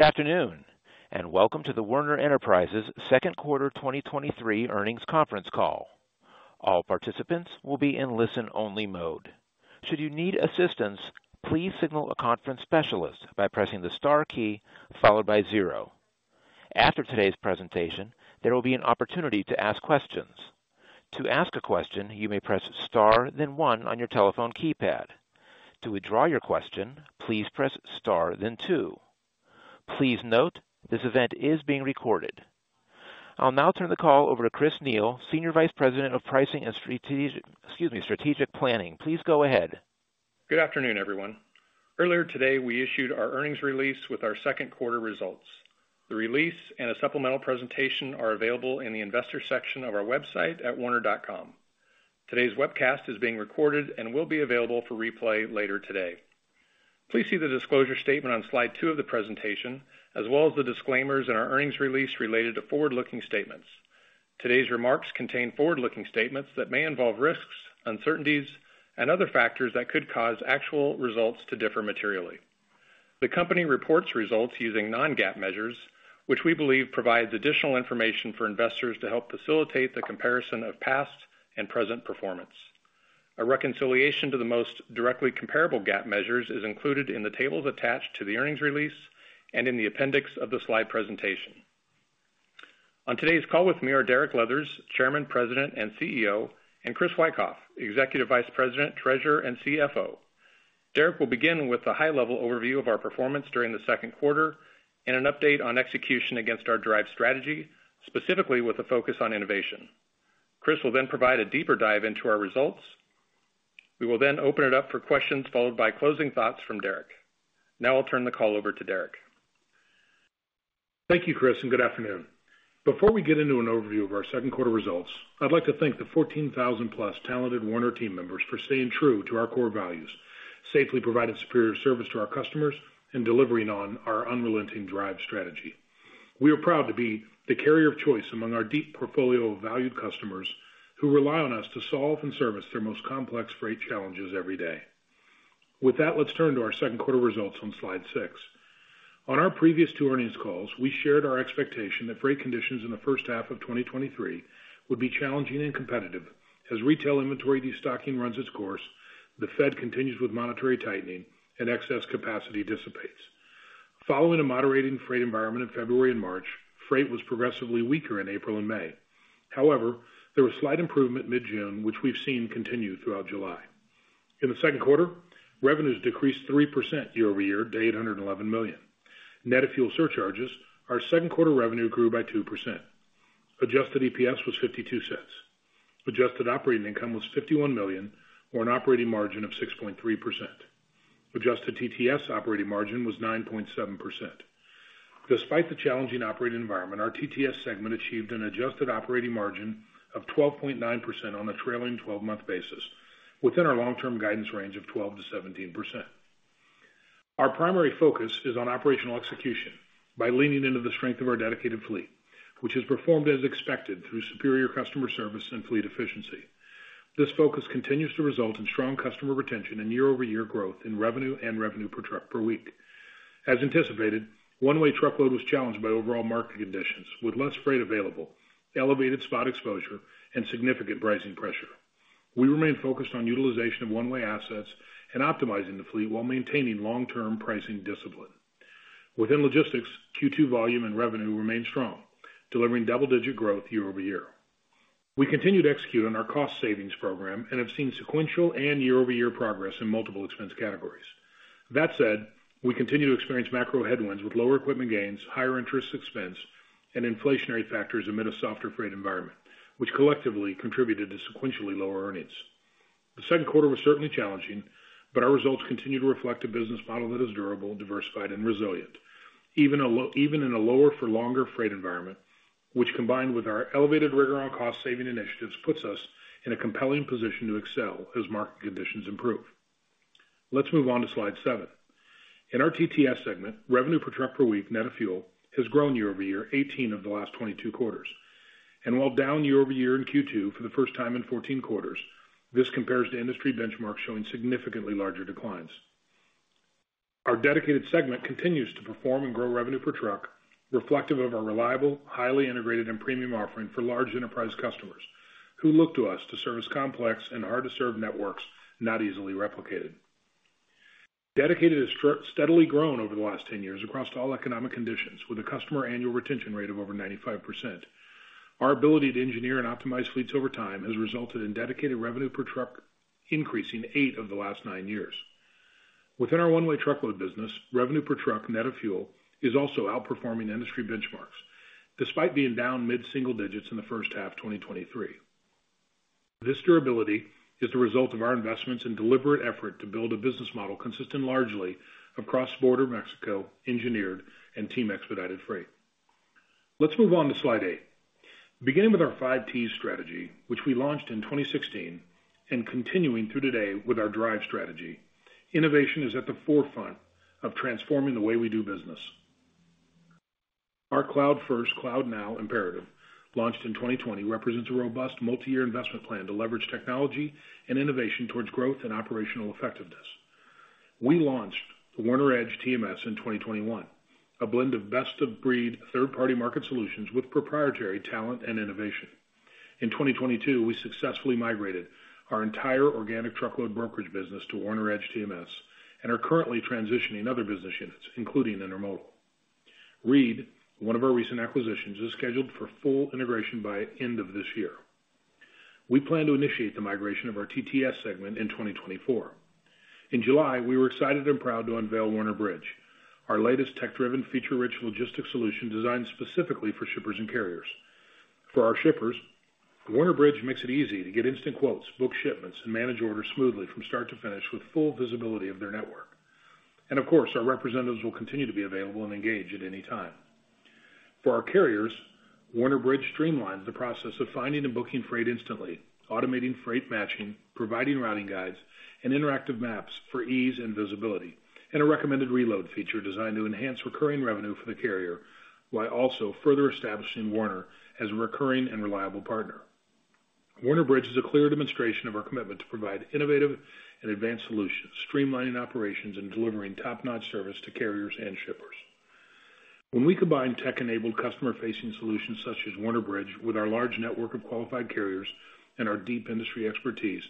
Good afternoon, and welcome to the Werner Enterprises second quarter 2023 earnings conference call. All participants will be in listen-only mode. Should you need assistance, please signal a conference specialist by pressing the star key followed by zero. After today's presentation, there will be an opportunity to ask questions. To ask a question, you may press star, then one on your telephone keypad. To withdraw your question, please press star, then two. Please note, this event is being recorded. I'll now turn the call over to Chris Neil, Senior Vice President of Pricing and excuse me, Strategic Planning. Please go ahead. Good afternoon, everyone. Earlier today, we issued our earnings release with our second quarter results. The release and a supplemental presentation are available in the investor section of our website at werner.com. Today's webcast is being recorded and will be available for replay later today. Please see the disclosure statement on slide two of the presentation, as well as the disclaimers in our earnings release related to forward-looking statements. Today's remarks contain forward-looking statements that may involve risks, uncertainties, and other factors that could cause actual results to differ materially. The company reports results using non-GAAP measures, which we believe provides additional information for investors to help facilitate the comparison of past and present performance. A reconciliation to the most directly comparable GAAP measures is included in the tables attached to the earnings release and in the appendix of the slide presentation. On today's call with me are Derek Leathers, Chairman, President, and CEO, and Chris Wikoff, Executive Vice President, Treasurer, and CFO. Derek will begin with a high-level overview of our performance during the second quarter and an update on execution against our DRIVE strategy, specifically with a focus on innovation. Chris will provide a deeper dive into our results. We will open it up for questions, followed by closing thoughts from Derek. I'll turn the call over to Derek. Thank you, Chris. Good afternoon. Before we get into an overview of our second quarter results, I'd like to thank the 14,000+ talented Werner team members for staying true to our core values, safely providing superior service to our customers, and delivering on our unrelenting DRIVE strategy. We are proud to be the carrier of choice among our deep portfolio of valued customers, who rely on us to solve and service their most complex freight challenges every day. With that, let's turn to our second quarter results on slide six. On our previous two earnings calls, we shared our expectation that freight conditions in the first half of 2023 would be challenging and competitive as retail inventory destocking runs its course, the Fed continues with monetary tightening, and excess capacity dissipates. Following a moderating freight environment in February and March, freight was progressively weaker in April and May. However, there was slight improvement mid-June, which we've seen continue throughout July. In the second quarter, revenues decreased 3% year-over-year to $811 million. Net of fuel surcharges, our second quarter revenue grew by 2%. Adjusted EPS was $0.52. Adjusted operating income was $51 million, or an operating margin of 6.3%. Adjusted TTS operating margin was 9.7%. Despite the challenging operating environment, our TTS segment achieved an adjusted operating margin of 12.9% on a trailing 12-month basis, within our long-term guidance range of 12%-17%. Our primary focus is on operational execution by leaning into the strength of our dedicated fleet, which has performed as expected through superior customer service and fleet efficiency. This focus continues to result in strong customer retention and year-over-year growth in revenue and revenue per truck per week. As anticipated, one-way truckload was challenged by overall market conditions with less freight available, elevated spot exposure, and significant pricing pressure. We remain focused on utilization of one-way assets and optimizing the fleet while maintaining long-term pricing discipline. Within logistics, Q2 volume and revenue remained strong, delivering double-digit growth year-over-year. We continue to execute on our cost savings program and have seen sequential and year-over-year progress in multiple expense categories. That said, we continue to experience macro headwinds with lower equipment gains, higher interest expense, and inflationary factors amid a softer freight environment, which collectively contributed to sequentially lower earnings. The second quarter was certainly challenging, but our results continue to reflect a business model that is durable, diversified, and resilient, even in a lower for longer freight environment, which, combined with our elevated rigor on cost saving initiatives, puts us in a compelling position to excel as market conditions improve. Let's move on to slide seven. In our TTS segment, revenue per truck per week, net of fuel, has grown year-over-year, 18 of the last 22 quarters. While down year-over-year in Q2 for the first time in 14 quarters, this compares to industry benchmarks showing significantly larger declines. Our dedicated segment continues to perform and grow revenue per truck, reflective of our reliable, highly integrated and premium offering for large enterprise customers who look to us to service complex and hard-to-serve networks not easily replicated. Dedicated has steadily grown over the last 10 years across all economic conditions, with a customer annual retention rate of over 95%. Our ability to engineer and optimize fleets over time has resulted in dedicated revenue per truck, increasing eight of the last nine years. Within our one-way truckload business, revenue per truck, net of fuel, is also outperforming industry benchmarks, despite being down mid-single digits in the first half 2023. This durability is the result of our investments and deliberate effort to build a business model consistent largely across border Mexico, engineered, and team expedited freight. Let's move on to slide eight. Beginning with our 5Ts strategy, which we launched in 2016, continuing through today with our DRIVE strategy, innovation is at the forefront of transforming the way we do business. Our Cloud First, Cloud Now imperative, launched in 2020, represents a robust multi-year investment plan to leverage technology and innovation towards growth and operational effectiveness. We launched the Werner EDGE TMS in 2021, a blend of best-of-breed third-party market solutions with proprietary talent and innovation. In 2022, we successfully migrated our entire organic truckload brokerage business to Werner EDGE TMS and are currently transitioning other business units, including Intermodal. ReedTMS, one of our recent acquisitions, is scheduled for full integration by end of this year. We plan to initiate the migration of our TTS segment in 2024. In July, we were excited and proud to unveil Werner Bridge, our latest tech-driven, feature-rich logistics solution designed specifically for shippers and carriers. For our shippers, Werner Bridge makes it easy to get instant quotes, book shipments, and manage orders smoothly from start to finish with full visibility of their network. Of course, our representatives will continue to be available and engaged at any time. For our carriers, Werner Bridge streamlines the process of finding and booking freight instantly, automating freight matching, providing routing guides and interactive maps for ease and visibility, and a recommended reload feature designed to enhance recurring revenue for the carrier, while also further establishing Werner as a recurring and reliable partner. Werner Bridge is a clear demonstration of our commitment to provide innovative and advanced solutions, streamlining operations and delivering top-notch service to carriers and shippers. When we combine tech-enabled customer-facing solutions, such as Werner Bridge, with our large network of qualified carriers and our deep industry expertise,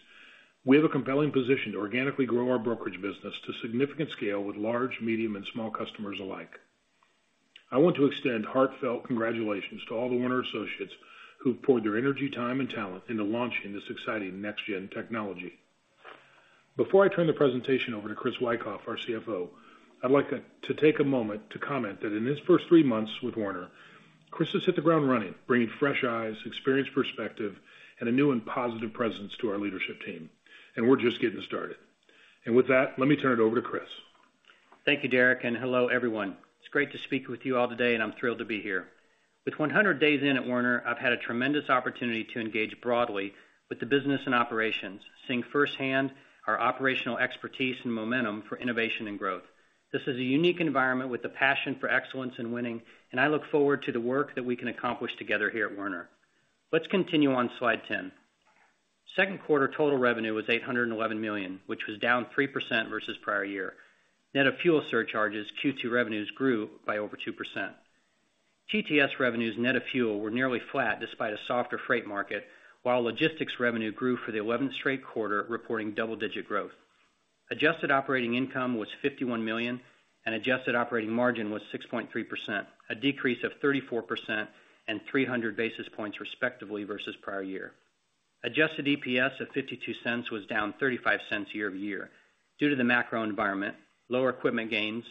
we have a compelling position to organically grow our brokerage business to significant scale with large, medium, and small customers alike. I want to extend heartfelt congratulations to all the Werner associates who've poured their energy, time and talent into launching this exciting next-gen technology. Before I turn the presentation over to Chris Wikoff, our CFO, I'd like to take a moment to comment that in his first three months with Werner, Chris has hit the ground running, bringing fresh eyes, experienced perspective, and a new and positive presence to our leadership team, and we're just getting started. With that, let me turn it over to Chris. Thank you, Derek, and hello, everyone. It's great to speak with you all today, and I'm thrilled to be here. With 100 days in at Werner, I've had a tremendous opportunity to engage broadly with the business and operations, seeing firsthand our operational expertise and momentum for innovation and growth. This is a unique environment with a passion for excellence and winning, and I look forward to the work that we can accomplish together here at Werner. Let's continue on slide 10. Second quarter total revenue was $811 million, which was down 3% versus prior year. Net of fuel surcharges, Q2 revenues grew by over 2%. TTS revenues, net of fuel, were nearly flat despite a softer freight market, while logistics revenue grew for the 11th straight quarter, reporting double-digit growth. Adjusted operating income was $51 million and adjusted operating margin was 6.3%, a decrease of 34% and 300 basis points, respectively, versus prior year. Adjusted EPS of $0.52 was down $0.35 year-over-year due to the macro environment, lower equipment gains,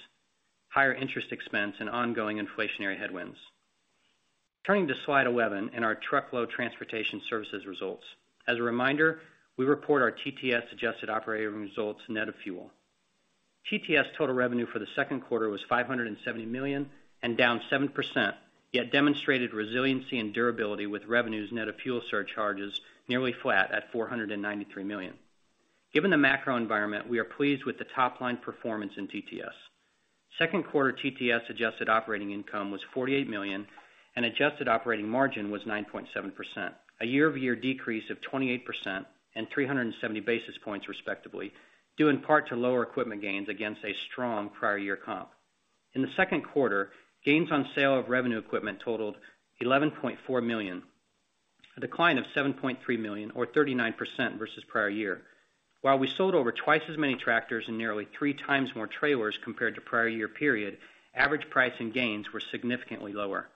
higher interest expense, and ongoing inflationary headwinds. Turning to slide 11 and our truckload transportation services results. As a reminder, we report our TTS adjusted operating results net of fuel. TTS total revenue for the second quarter was $570 million and down 7%, yet demonstrated resiliency and durability, with revenues net of fuel surcharges nearly flat at $493 million. Given the macro environment, we are pleased with the top line performance in TTS. Second quarter TTS adjusted operating income was $48 million. Adjusted operating margin was 9.7%, a year-over-year decrease of 28% and 370 basis points, respectively, due in part to lower equipment gains against a strong prior year comp. In the second quarter, gains on sale of revenue equipment totaled $11.4 million, a decline of $7.3 million or 39% versus prior year. While we sold over twice as many tractors and nearly three times more trailers compared to prior year period, average price and gains were significantly lower.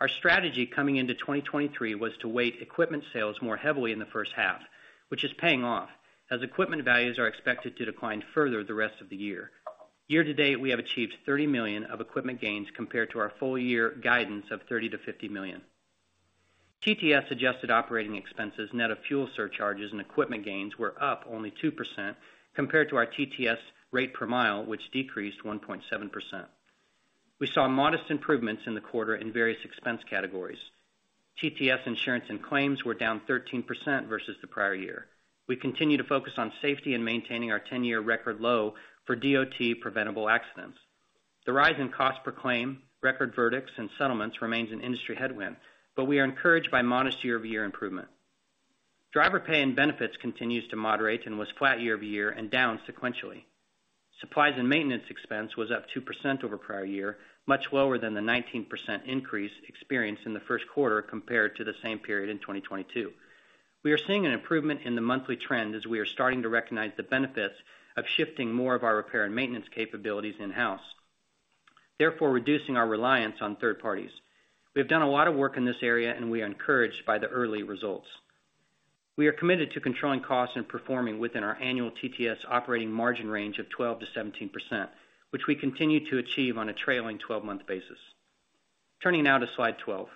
Our strategy coming into 2023 was to weight equipment sales more heavily in the first half, which is paying off, as equipment values are expected to decline further the rest of the year. Year-to-date, we have achieved $30 million of equipment gains compared to our full-year guidance of $30 million-$50 million. TTS adjusted operating expenses, net of fuel surcharges and equipment gains, were up only 2% compared to our TTS rate per mile, which decreased 1.7%. We saw modest improvements in the quarter in various expense categories. TTS insurance and claims were down 13% versus the prior year. We continue to focus on safety and maintaining our 10-year record low for DOT preventable accidents. The rise in cost per claim, record verdicts and settlements remains an industry headwind, but Werner is encouraged by modest year-over-year improvement. Driver pay and benefits continues to moderate and was flat year-over-year and down sequentially. Supplies and maintenance expense was up 2% over prior year, much lower than the 19% increase experienced in the first quarter compared to the same period in 2022. We are seeing an improvement in the monthly trend as we are starting to recognize the benefits of shifting more of our repair and maintenance capabilities in-house, therefore reducing our reliance on third parties. We have done a lot of work in this area. We are encouraged by the early results. We are committed to controlling costs and performing within our annual TTS operating margin range of 12%-17%, which we continue to achieve on a trailing 12-month basis. Turning now to slide 12.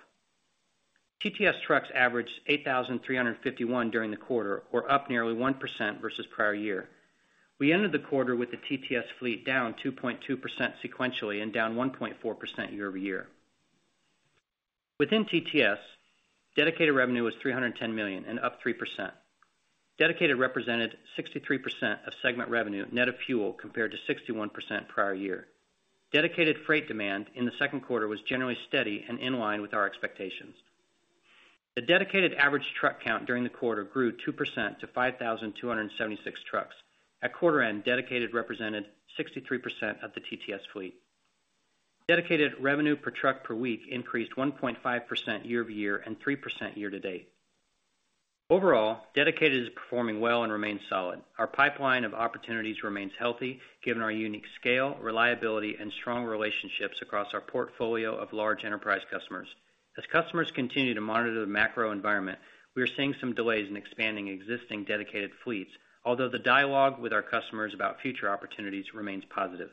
TTS trucks averaged 8,351 during the quarter, or up nearly 1% versus prior year. We ended the quarter with the TTS fleet down 2.2% sequentially and down 1.4% year-over-year. Within TTS, dedicated revenue was $310 million, and up 3%. Dedicated represented 63% of segment revenue, net of fuel, compared to 61% prior year. Dedicated freight demand in the second quarter was generally steady and in line with our expectations. The dedicated average truck count during the quarter grew 2% to 5,276 trucks. At quarter end, dedicated represented 63% of the TTS fleet. Dedicated revenue per truck per week increased 1.5% year-over-year and 3% year-to-date. Overall, dedicated is performing well and remains solid. Our pipeline of opportunities remains healthy, given our unique scale, reliability, and strong relationships across our portfolio of large enterprise customers. As customers continue to monitor the macro environment, we are seeing some delays in expanding existing dedicated fleets, although the dialogue with our customers about future opportunities remains positive.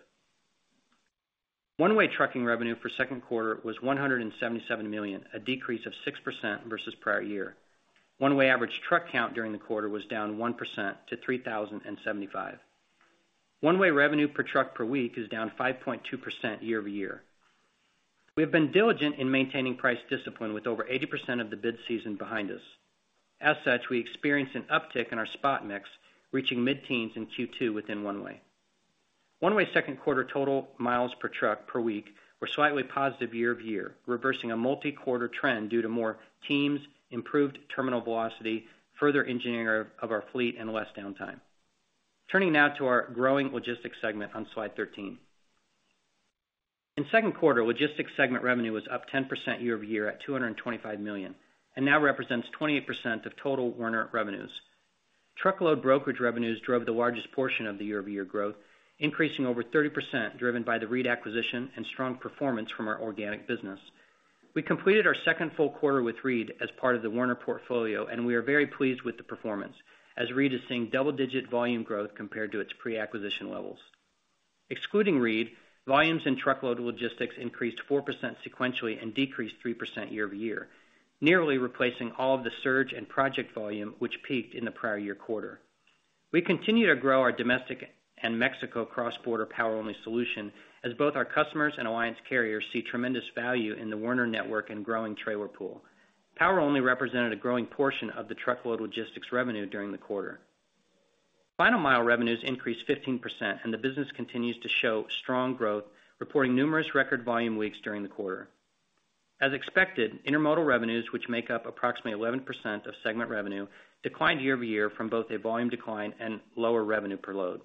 One-way trucking revenue for second quarter was $177 million, a decrease of 6% versus prior year. One-way average truck count during the quarter was down 1% to 3,075. One-way revenue per truck per week is down 5.2% year-over-year. We have been diligent in maintaining price discipline, with over 80% of the bid season behind us. As such, we experienced an uptick in our spot mix, reaching mid-teens in Q2 within one-way. One-way second quarter total miles per truck per week were slightly positive year-over-year, reversing a multi-quarter trend due to more teams, improved terminal velocity, further engineering of our fleet, and less downtime. Turning now to our growing logistics segment on slide 13. In 2Q, logistics segment revenue was up 10% year-over-year at $225 million, and now represents 28% of total Werner revenues. Truckload brokerage revenues drove the largest portion of the year-over-year growth, increasing over 30%, driven by the ReedTMS acquisition and strong performance from our organic business. We completed our second full quarter with ReedTMS as part of the Werner portfolio, and we are very pleased with the performance, as ReedTMS is seeing double-digit volume growth compared to its pre-acquisition levels. Excluding ReedTMS, volumes in truckload logistics increased 4% sequentially and decreased 3% year-over-year, nearly replacing all of the surge in project volume, which peaked in the prior year quarter. We continue to grow our domestic and Mexico cross-border Power Only solution, as both our customers and alliance carriers see tremendous value in the Werner network and growing trailer pool. Power Only represented a growing portion of the truckload logistics revenue during the quarter. Final mile revenues increased 15%, and the business continues to show strong growth, reporting numerous record volume weeks during the quarter. As expected, Intermodal revenues, which make up approximately 11% of segment revenue, declined year-over-year from both a volume decline and lower revenue per load.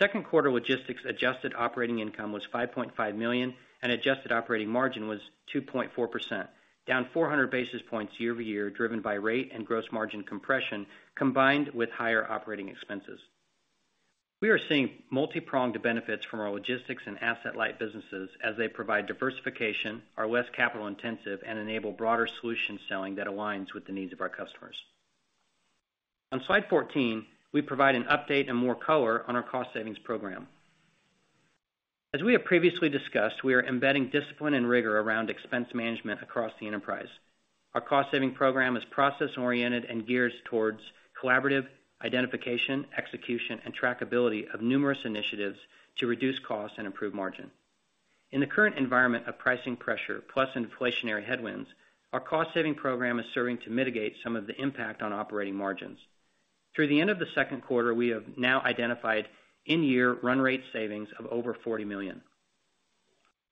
Second quarter logistics adjusted operating income was $5.5 million, and adjusted operating margin was 2.4%, down 400 basis points year-over-year, driven by rate and gross margin compression, combined with higher operating expenses. We are seeing multipronged benefits from our logistics and asset-light businesses as they provide diversification, are less capital intensive, and enable broader solution selling that aligns with the needs of our customers. On slide 14, we provide an update and more color on our cost savings program. As we have previously discussed, we are embedding discipline and rigor around expense management across the enterprise. Our cost saving program is process-oriented and geared towards collaborative identification, execution, and trackability of numerous initiatives to reduce costs and improve margin. In the current environment of pricing pressure plus inflationary headwinds, our cost saving program is serving to mitigate some of the impact on operating margins. Through the end of the second quarter, we have now identified in-year run rate savings of over $40 million.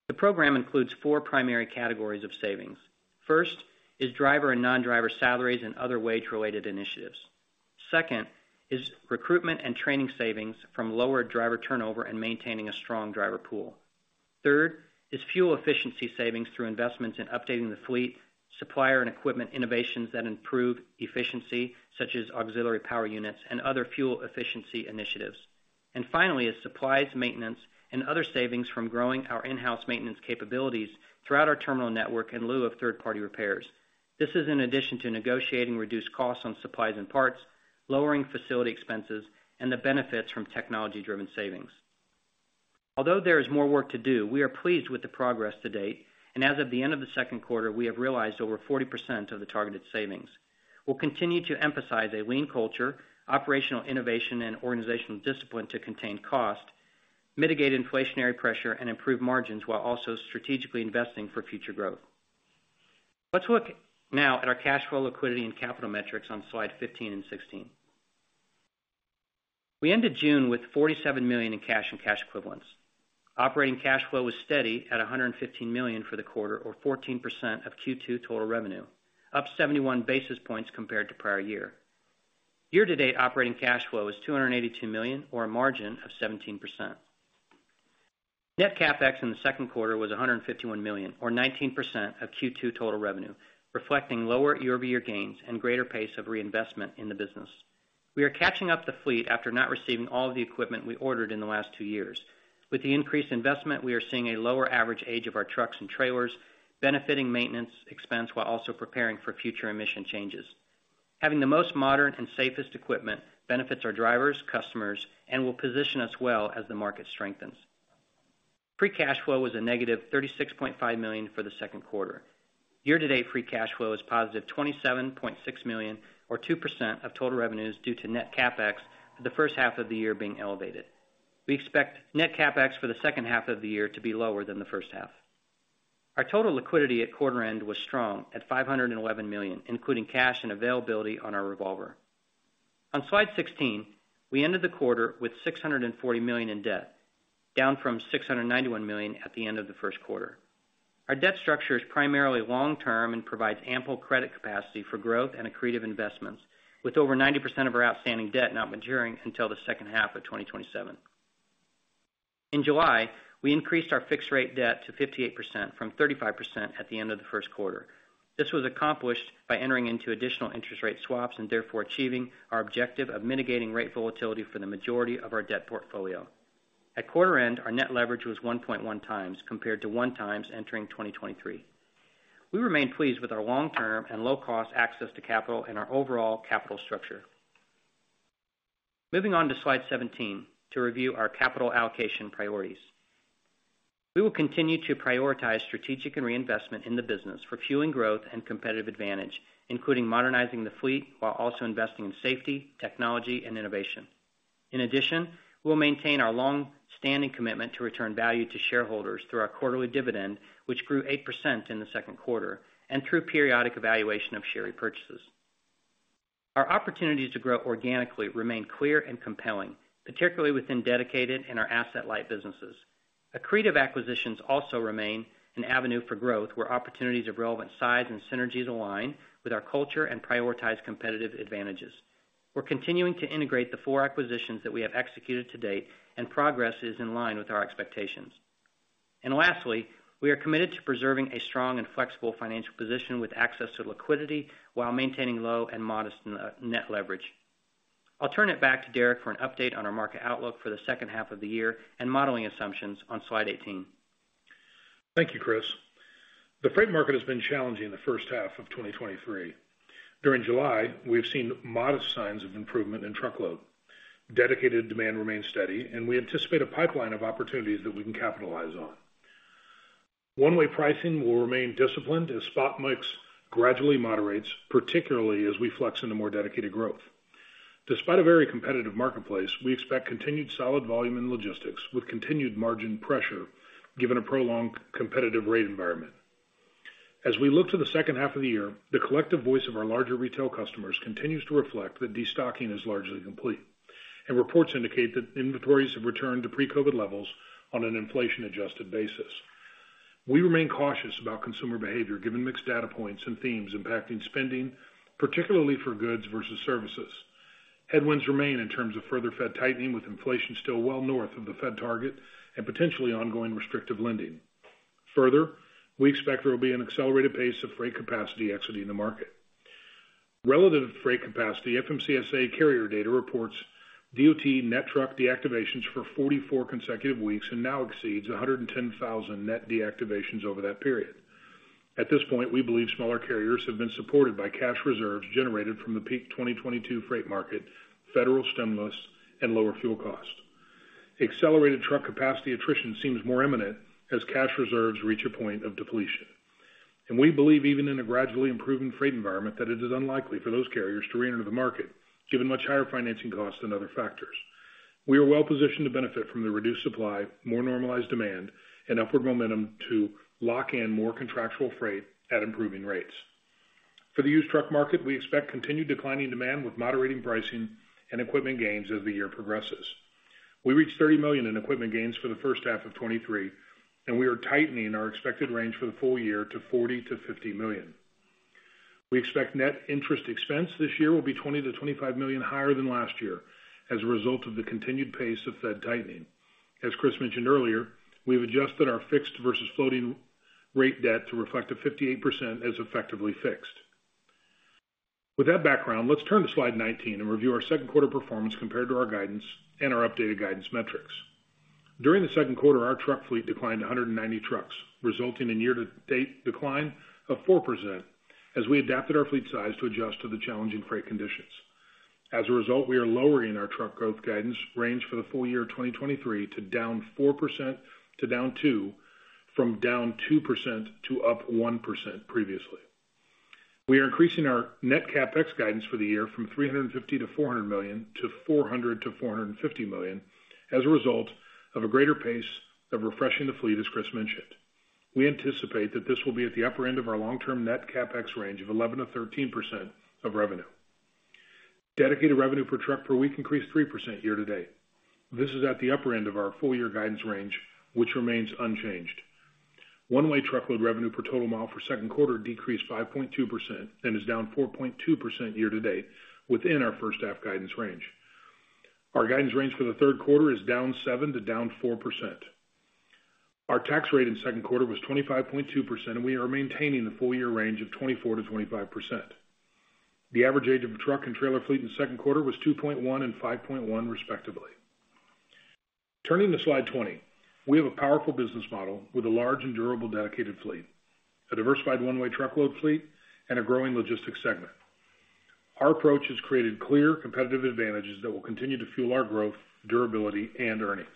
The program includes four primary categories of savings. First, is driver and non-driver salaries and other wage-related initiatives. Second, is recruitment and training savings from lower driver turnover and maintaining a strong driver pool. Third, is fuel efficiency savings through investments in updating the fleet, supplier and equipment innovations that improve efficiency, such as auxiliary power units and other fuel efficiency initiatives. Finally, is supplies, maintenance, and other savings from growing our in-house maintenance capabilities throughout our terminal network in lieu of third-party repairs. This is in addition to negotiating reduced costs on supplies and parts, lowering facility expenses, and the benefits from technology-driven savings. Although there is more work to do, we are pleased with the progress to date, and as of the end of the second quarter, we have realized over 40% of the targeted savings. We'll continue to emphasize a lean culture, operational innovation, and organizational discipline to contain cost, mitigate inflationary pressure, and improve margins, while also strategically investing for future growth. Let's look now at our cash flow, liquidity, and capital metrics on slide 15 and 16. We ended June with $47 million in cash and cash equivalents. Operating cash flow was steady at $115 million for the quarter, or 14% of Q2 total revenue, up 71 basis points compared to prior year. Year-to-date operating cash flow is $282 million, or a margin of 17%. Net CapEx in the second quarter was $151 million, or 19% of Q2 total revenue, reflecting lower year-over-year gains and greater pace of reinvestment in the business. We are catching up the fleet after not receiving all of the equipment we ordered in the last two years. With the increased investment, we are seeing a lower average age of our trucks and trailers, benefiting maintenance expense, while also preparing for future emission changes. Having the most modern and safest equipment benefits our drivers, customers, and will position us well as the market strengthens. Free cash flow was a negative $36.5 million for the second quarter. Year-to-date, free cash flow is positive $27.6 million, or 2% of total revenues, due to net CapEx for the first half of the year being elevated. We expect net CapEx for the second half of the year to be lower than the first half. Our total liquidity at quarter end was strong at $511 million, including cash and availability on our revolver. On slide 16, we ended the quarter with $640 million in debt, down from $691 million at the end of the first quarter. Our debt structure is primarily long-term and provides ample credit capacity for growth and accretive investments, with over 90% of our outstanding debt not maturing until the second half of 2027. In July, we increased our fixed rate debt to 58% from 35% at the end of the first quarter. This was accomplished by entering into additional interest rate swaps and therefore, achieving our objective of mitigating rate volatility for the majority of our debt portfolio. At quarter end, our net leverage was 1.1x, compared to 1x entering 2023. We remain pleased with our long-term and low-cost access to capital and our overall capital structure. Moving on to slide 17, to review our capital allocation priorities. We will continue to prioritize strategic and reinvestment in the business for fueling growth and competitive advantage, including modernizing the fleet, while also investing in safety, technology, and innovation. In addition, we'll maintain our long-standing commitment to return value to shareholders through our quarterly dividend, which grew 8% in the second quarter, and through periodic evaluation of share repurchases. Our opportunities to grow organically remain clear and compelling, particularly within dedicated and our asset-light businesses. Accretive acquisitions also remain an avenue for growth, where opportunities of relevant size and synergies align with our culture and prioritize competitive advantages. We're continuing to integrate the four acquisitions that we have executed to date, and progress is in line with our expectations. Lastly, we are committed to preserving a strong and flexible financial position with access to liquidity while maintaining low and modest net leverage. I'll turn it back to Derek for an update on our market outlook for the second half of the year and modeling assumptions on slide 18. Thank you, Chris. The freight market has been challenging in the first half of 2023. During July, we've seen modest signs of improvement in truckload. Dedicated demand remains steady. We anticipate a pipeline of opportunities that we can capitalize on. One-way pricing will remain disciplined as spot mix gradually moderates, particularly as we flex into more dedicated growth. Despite a very competitive marketplace, we expect continued solid volume in logistics, with continued margin pressure, given a prolonged competitive rate environment. As we look to the second half of the year, the collective voice of our larger retail customers continues to reflect that destocking is largely complete. Reports indicate that inventories have returned to pre-COVID levels on an inflation-adjusted basis. We remain cautious about consumer behavior, given mixed data points and themes impacting spending, particularly for goods versus services. Headwinds remain in terms of further Fed tightening, with inflation still well north of the Fed target and potentially ongoing restrictive lending. We expect there will be an accelerated pace of freight capacity exiting the market. Relative to freight capacity, FMCSA carrier data reports DOT net truck deactivations for 44 consecutive weeks, and now exceeds 110,000 net deactivations over that period. At this point, we believe smaller carriers have been supported by cash reserves generated from the peak 2022 freight market, federal stimulus, and lower fuel costs. Accelerated truck capacity attrition seems more imminent as cash reserves reach a point of depletion, and we believe even in a gradually improving freight environment, that it is unlikely for those carriers to reenter the market, given much higher financing costs and other factors. We are well-positioned to benefit from the reduced supply, more normalized demand, and upward momentum to lock in more contractual freight at improving rates. For the used truck market, we expect continued declining demand with moderating pricing and equipment gains as the year progresses. We reached $30 million in equipment gains for the first half of 2023, and we are tightening our expected range for the full-year to $40 million-$50 million. We expect net interest expense this year will be $20 million-$25 million higher than last year as a result of the continued pace of Fed tightening. As Chris mentioned earlier, we've adjusted our fixed versus floating rate debt to reflect a 58% as effectively fixed. With that background, let's turn to slide 19 and review our second quarter performance compared to our guidance and our updated guidance metrics. During the second quarter, our truck fleet declined 190 trucks, resulting in year-to-date decline of 4%, as we adapted our fleet size to adjust to the challenging freight conditions. As a result, we are lowering our truck growth guidance range for the full-year of 2023 to -4% to -2%, from -2% to +1% previously. We are increasing our net CapEx guidance for the year from $350 million-$400 million to $400 million-$450 million, as a result of a greater pace of refreshing the fleet, as Chris mentioned. We anticipate that this will be at the upper end of our long-term net CapEx range of 11%-13% of revenue. Dedicated revenue per truck per week increased 3% year-to-date. This is at the upper end of our full-year guidance range, which remains unchanged. One-way truckload revenue per total mile for second quarter decreased 5.2% and is down 4.2% year-to-date, within our first half guidance range. Our guidance range for the third quarter is down 7% to -4%. Our tax rate in second quarter was 25.2%. We are maintaining the full-year range of 24%-25%. The average age of truck and trailer fleet in the second quarter was 2.1 and 5.1, respectively. Turning to slide 20. We have a powerful business model with a large and durable dedicated fleet, a diversified one-way truckload fleet, and a growing logistics segment. Our approach has created clear competitive advantages that will continue to fuel our growth, durability, and earnings....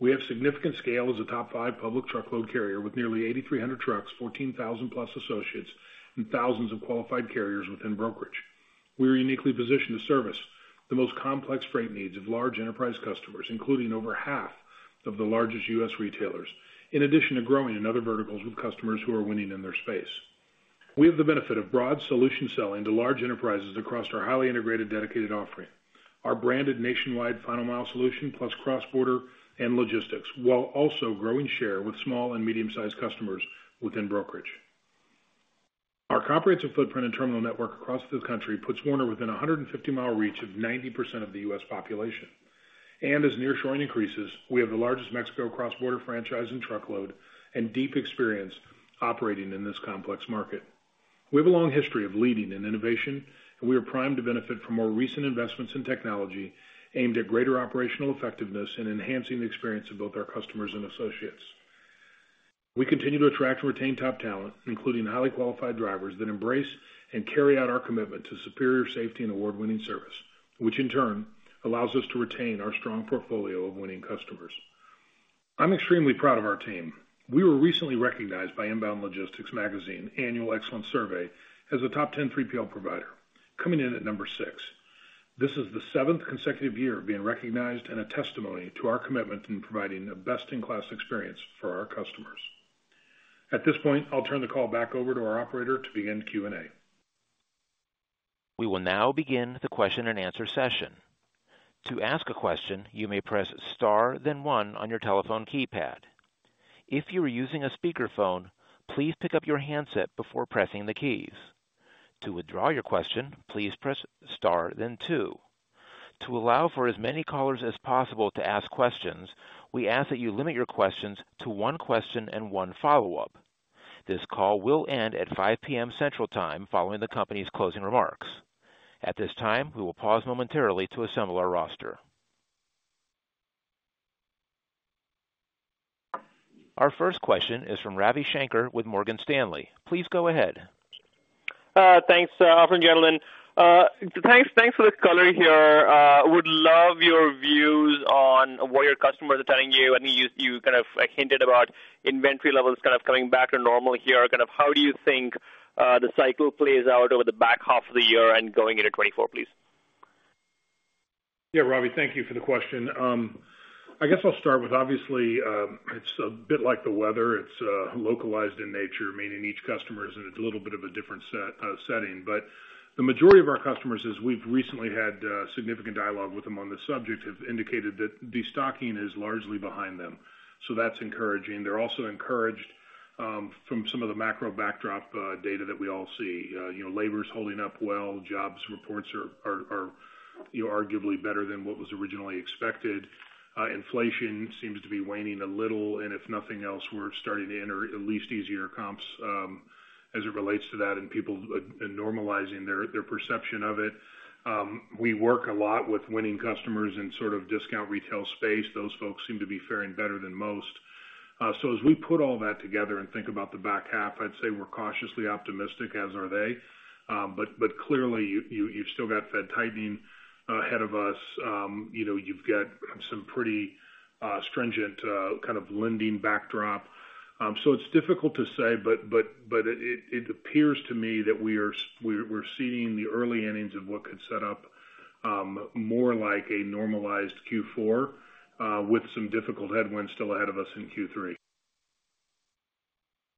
We have significant scale as a top five public truckload carrier with nearly 8,300 trucks, 14,000+ associates, and thousands of qualified carriers within brokerage. We are uniquely positioned to service the most complex freight needs of large enterprise customers, including over half of the largest U.S. retailers, in addition to growing in other verticals with customers who are winning in their space. We have the benefit of broad solution selling to large enterprises across our highly integrated, dedicated offering, our branded nationwide final mile solution, plus cross-border and logistics, while also growing share with small and medium-sized customers within brokerage. Our comprehensive footprint and terminal network across the country puts Werner within a 150 mi reach of 90% of the U.S. population. As nearshoring increases, we have the largest Mexico cross-border franchise in truckload and deep experience operating in this complex market. We have a long history of leading in innovation, and we are primed to benefit from more recent investments in technology aimed at greater operational effectiveness and enhancing the experience of both our customers and associates. We continue to attract and retain top talent, including highly qualified drivers, that embrace and carry out our commitment to superior safety and award-winning service, which in turn allows us to retain our strong portfolio of winning customers. I'm extremely proud of our team. We were recently recognized by Inbound Logistics Magazine Annual Excellence Survey as a top 10 3PL provider, coming in at number six. This is the 7th consecutive year of being recognized and a testimony to our commitment in providing a best-in-class experience for our customers. At this point, I'll turn the call back over to our operator to begin Q&A. We will now begin the question-and-answer session. To ask a question, you may press star, then one on your telephone keypad. If you are using a speakerphone, please pick up your handset before pressing the keys. To withdraw your question, please press star then two. To allow for as many callers as possible to ask questions, we ask that you limit your questions to one question and one follow-up. This call will end at 5:00 P.M. Central Time, following the company's closing remarks. At this time, we will pause momentarily to assemble our roster. Our first question is from Ravi Shanker with Morgan Stanley. Please go ahead. Thanks, gentlemen. Thanks, thanks for the color here. Would love your views on what your customers are telling you. I mean, you, you kind of, like, hinted about inventory levels kind of coming back to normal here. Kind of, how do you think, the cycle plays out over the back half of the year and going into 2024, please? Yeah, Ravi, thank you for the question. I guess I'll start with obviously, it's a bit like the weather. It's localized in nature, meaning each customer is in a little bit of a different set, setting. The majority of our customers, as we've recently had significant dialogue with them on this subject, have indicated that destocking is largely behind them. That's encouraging. They're also encouraged from some of the macro backdrop data that we all see. You know, labor is holding up well. Jobs reports are, you know, arguably better than what was originally expected. Inflation seems to be waning a little, and if nothing else, we're starting to enter at least easier comps, as it relates to that and people and normalizing their, their perception of it. We work a lot with Werner customers in sort of discount retail space. Those folks seem to be faring better than most. As we put all that together and think about the back half, I'd say we're cautiously optimistic, as are they. Clearly, you, you've still got Fed tightening ahead of us. You know, you've got some pretty stringent kind of lending backdrop. It's difficult to say, but, but, but it, it appears to me that we are seeing the early innings of what could set up more like a normalized Q4 with some difficult headwinds still ahead of us in Q3.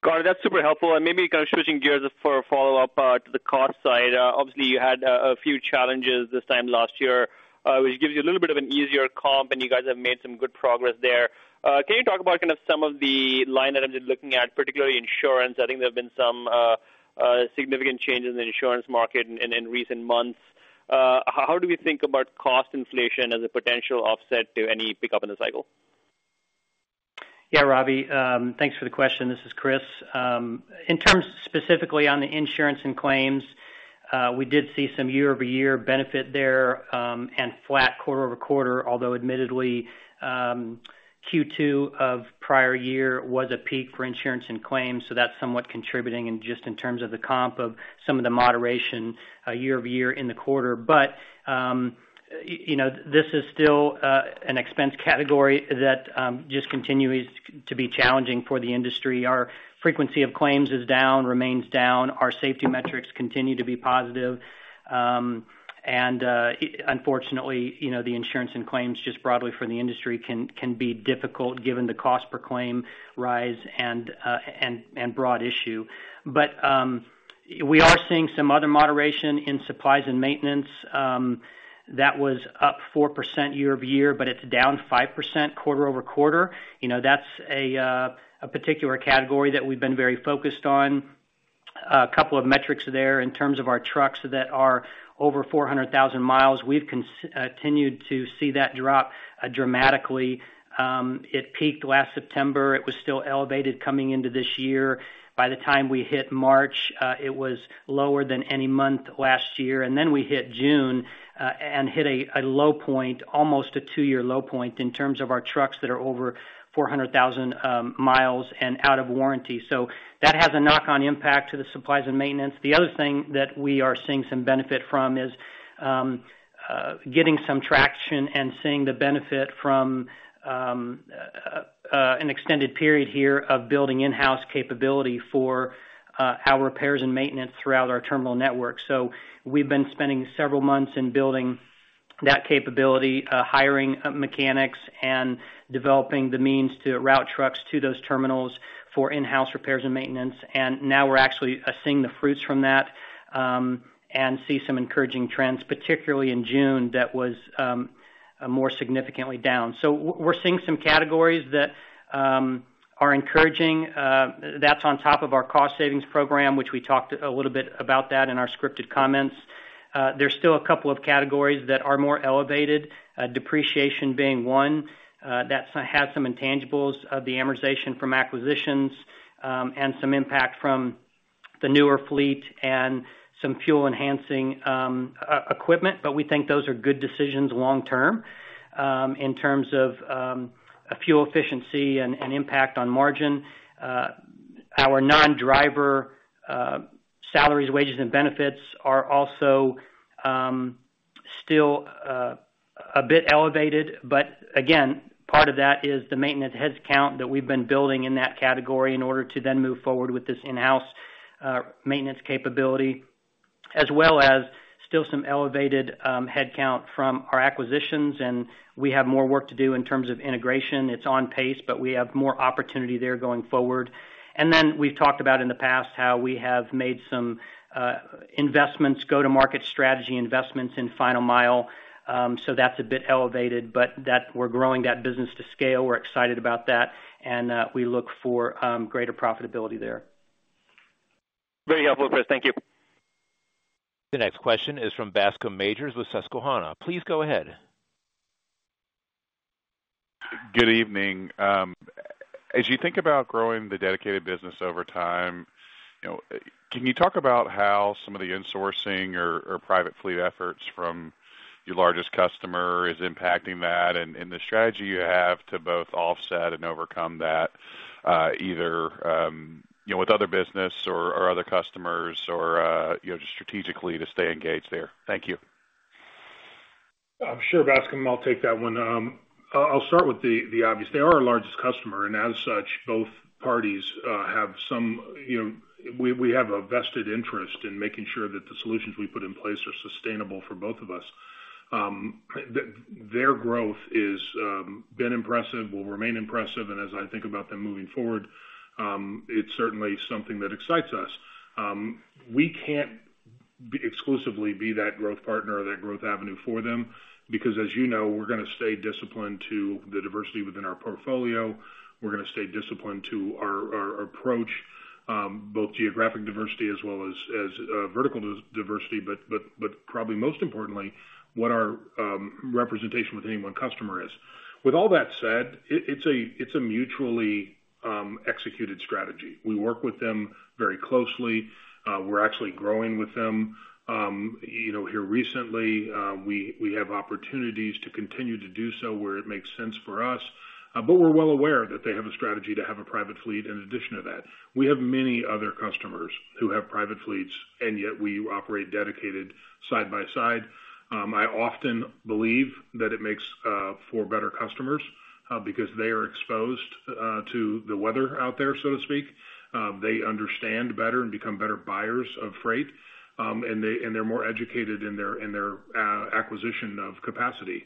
Got it. That's super helpful. Maybe kind of switching gears for a follow-up to the cost side. Obviously, you had a few challenges this time last year, which gives you a little bit of an easier comp, and you guys have made some good progress there. Can you talk about kind of some of the line items you're looking at, particularly insurance? I think there have been some significant changes in the insurance market in recent months. How do we think about cost inflation as a potential offset to any pickup in the cycle? Yeah, Ravi, thanks for the question. This is Chris. In terms specifically on the insurance and claims, we did see some year-over-year benefit there, and flat quarter-over-quarter, although admittedly, Q2 of prior year was a peak for insurance and claims, so that's somewhat contributing in just in terms of the comp of some of the moderation, year-over-year in the quarter. You know, this is still an expense category that just continues to be challenging for the industry. Our frequency of claims is down, remains down. Our safety metrics continue to be positive. Unfortunately, you know, the insurance and claims just broadly for the industry can, can be difficult given the cost per claim rise and, and broad issue. We are seeing some other moderation in supplies and maintenance. That was up 4% year-over-year. It's down 5% quarter-over-quarter. You know, that's a particular category that we've been very focused on. A couple of metrics there in terms of our trucks that are over 400,000 mi, we've continued to see that drop dramatically. It peaked last September. It was still elevated coming into this year. By the time we hit March, it was lower than any month last year, and then we hit June and hit a low point, almost a two-year low point in terms of our trucks that are over... ... 400,000 mi and out of warranty. That has a knock-on impact to the supplies and maintenance. The other thing that we are seeing some benefit from is getting some traction and seeing the benefit from an extended period here of building in-house capability for our repairs and maintenance throughout our terminal network. We've been spending several months in building that capability, hiring mechanics and developing the means to route trucks to those terminals for in-house repairs and maintenance. Now we're actually seeing the fruits from that and see some encouraging trends, particularly in June, that was a more significantly down. We're seeing some categories that are encouraging. That's on top of our cost savings program, which we talked a little bit about that in our scripted comments. There's still a couple of categories that are more elevated, depreciation being one. That's had some intangibles of the amortization from acquisitions, and some impact from the newer fleet and some fuel-enhancing equipment, but we think those are good decisions long term. In terms of a fuel efficiency and, and impact on margin, our non-driver salaries, wages, and benefits are also still a bit elevated. Again, part of that is the maintenance headcount that we've been building in that category in order to then move forward with this in-house maintenance capability, as well as still some elevated headcount from our acquisitions, and we have more work to do in terms of integration. It's on pace, but we have more opportunity there going forward. We've talked about in the past, how we have made some investments, go-to-market strategy investments in final mile. That's a bit elevated, but that we're growing that business to scale. We're excited about that, and we look for greater profitability there. Very helpful, Chris. Thank you. The next question is from Bascome Majors with Susquehanna. Please go ahead. Good evening. As you think about growing the dedicated business over time, you know, can you talk about how some of the insourcing or, or private fleet efforts from your largest customer is impacting that, and the strategy you have to both offset and overcome that, either, you know, with other business or, or other customers or, you know, just strategically to stay engaged there? Thank you. Sure, Bascome, I'll take that one. I'll start with the, the obvious. They are our largest customer, and as such, both parties, have some, you know, we, we have a vested interest in making sure that the solutions we put in place are sustainable for both of us. Their growth is, been impressive, will remain impressive, and as I think about them moving forward, it's certainly something that excites us. We can't exclusively be that growth partner or that growth avenue for them, because as you know, we're going to stay disciplined to the diversity within our portfolio. We're going to stay disciplined to our, our approach, both geographic diversity as well as, as, vertical diversity, but, but, but probably most importantly, what our, representation with any one customer is. With all that said, it, it's a, it's a mutually executed strategy. We work with them very closely. We're actually growing with them. You know, here recently, we, we have opportunities to continue to do so where it makes sense for us, but we're well aware that they have a strategy to have a private fleet in addition to that. We have many other customers who have private fleets, and yet we operate dedicated side by side. I often believe that it makes for better customers, because they are exposed to the weather out there, so to speak. They understand better and become better buyers of freight, and they, and they're more educated in their, in their acquisition of capacity.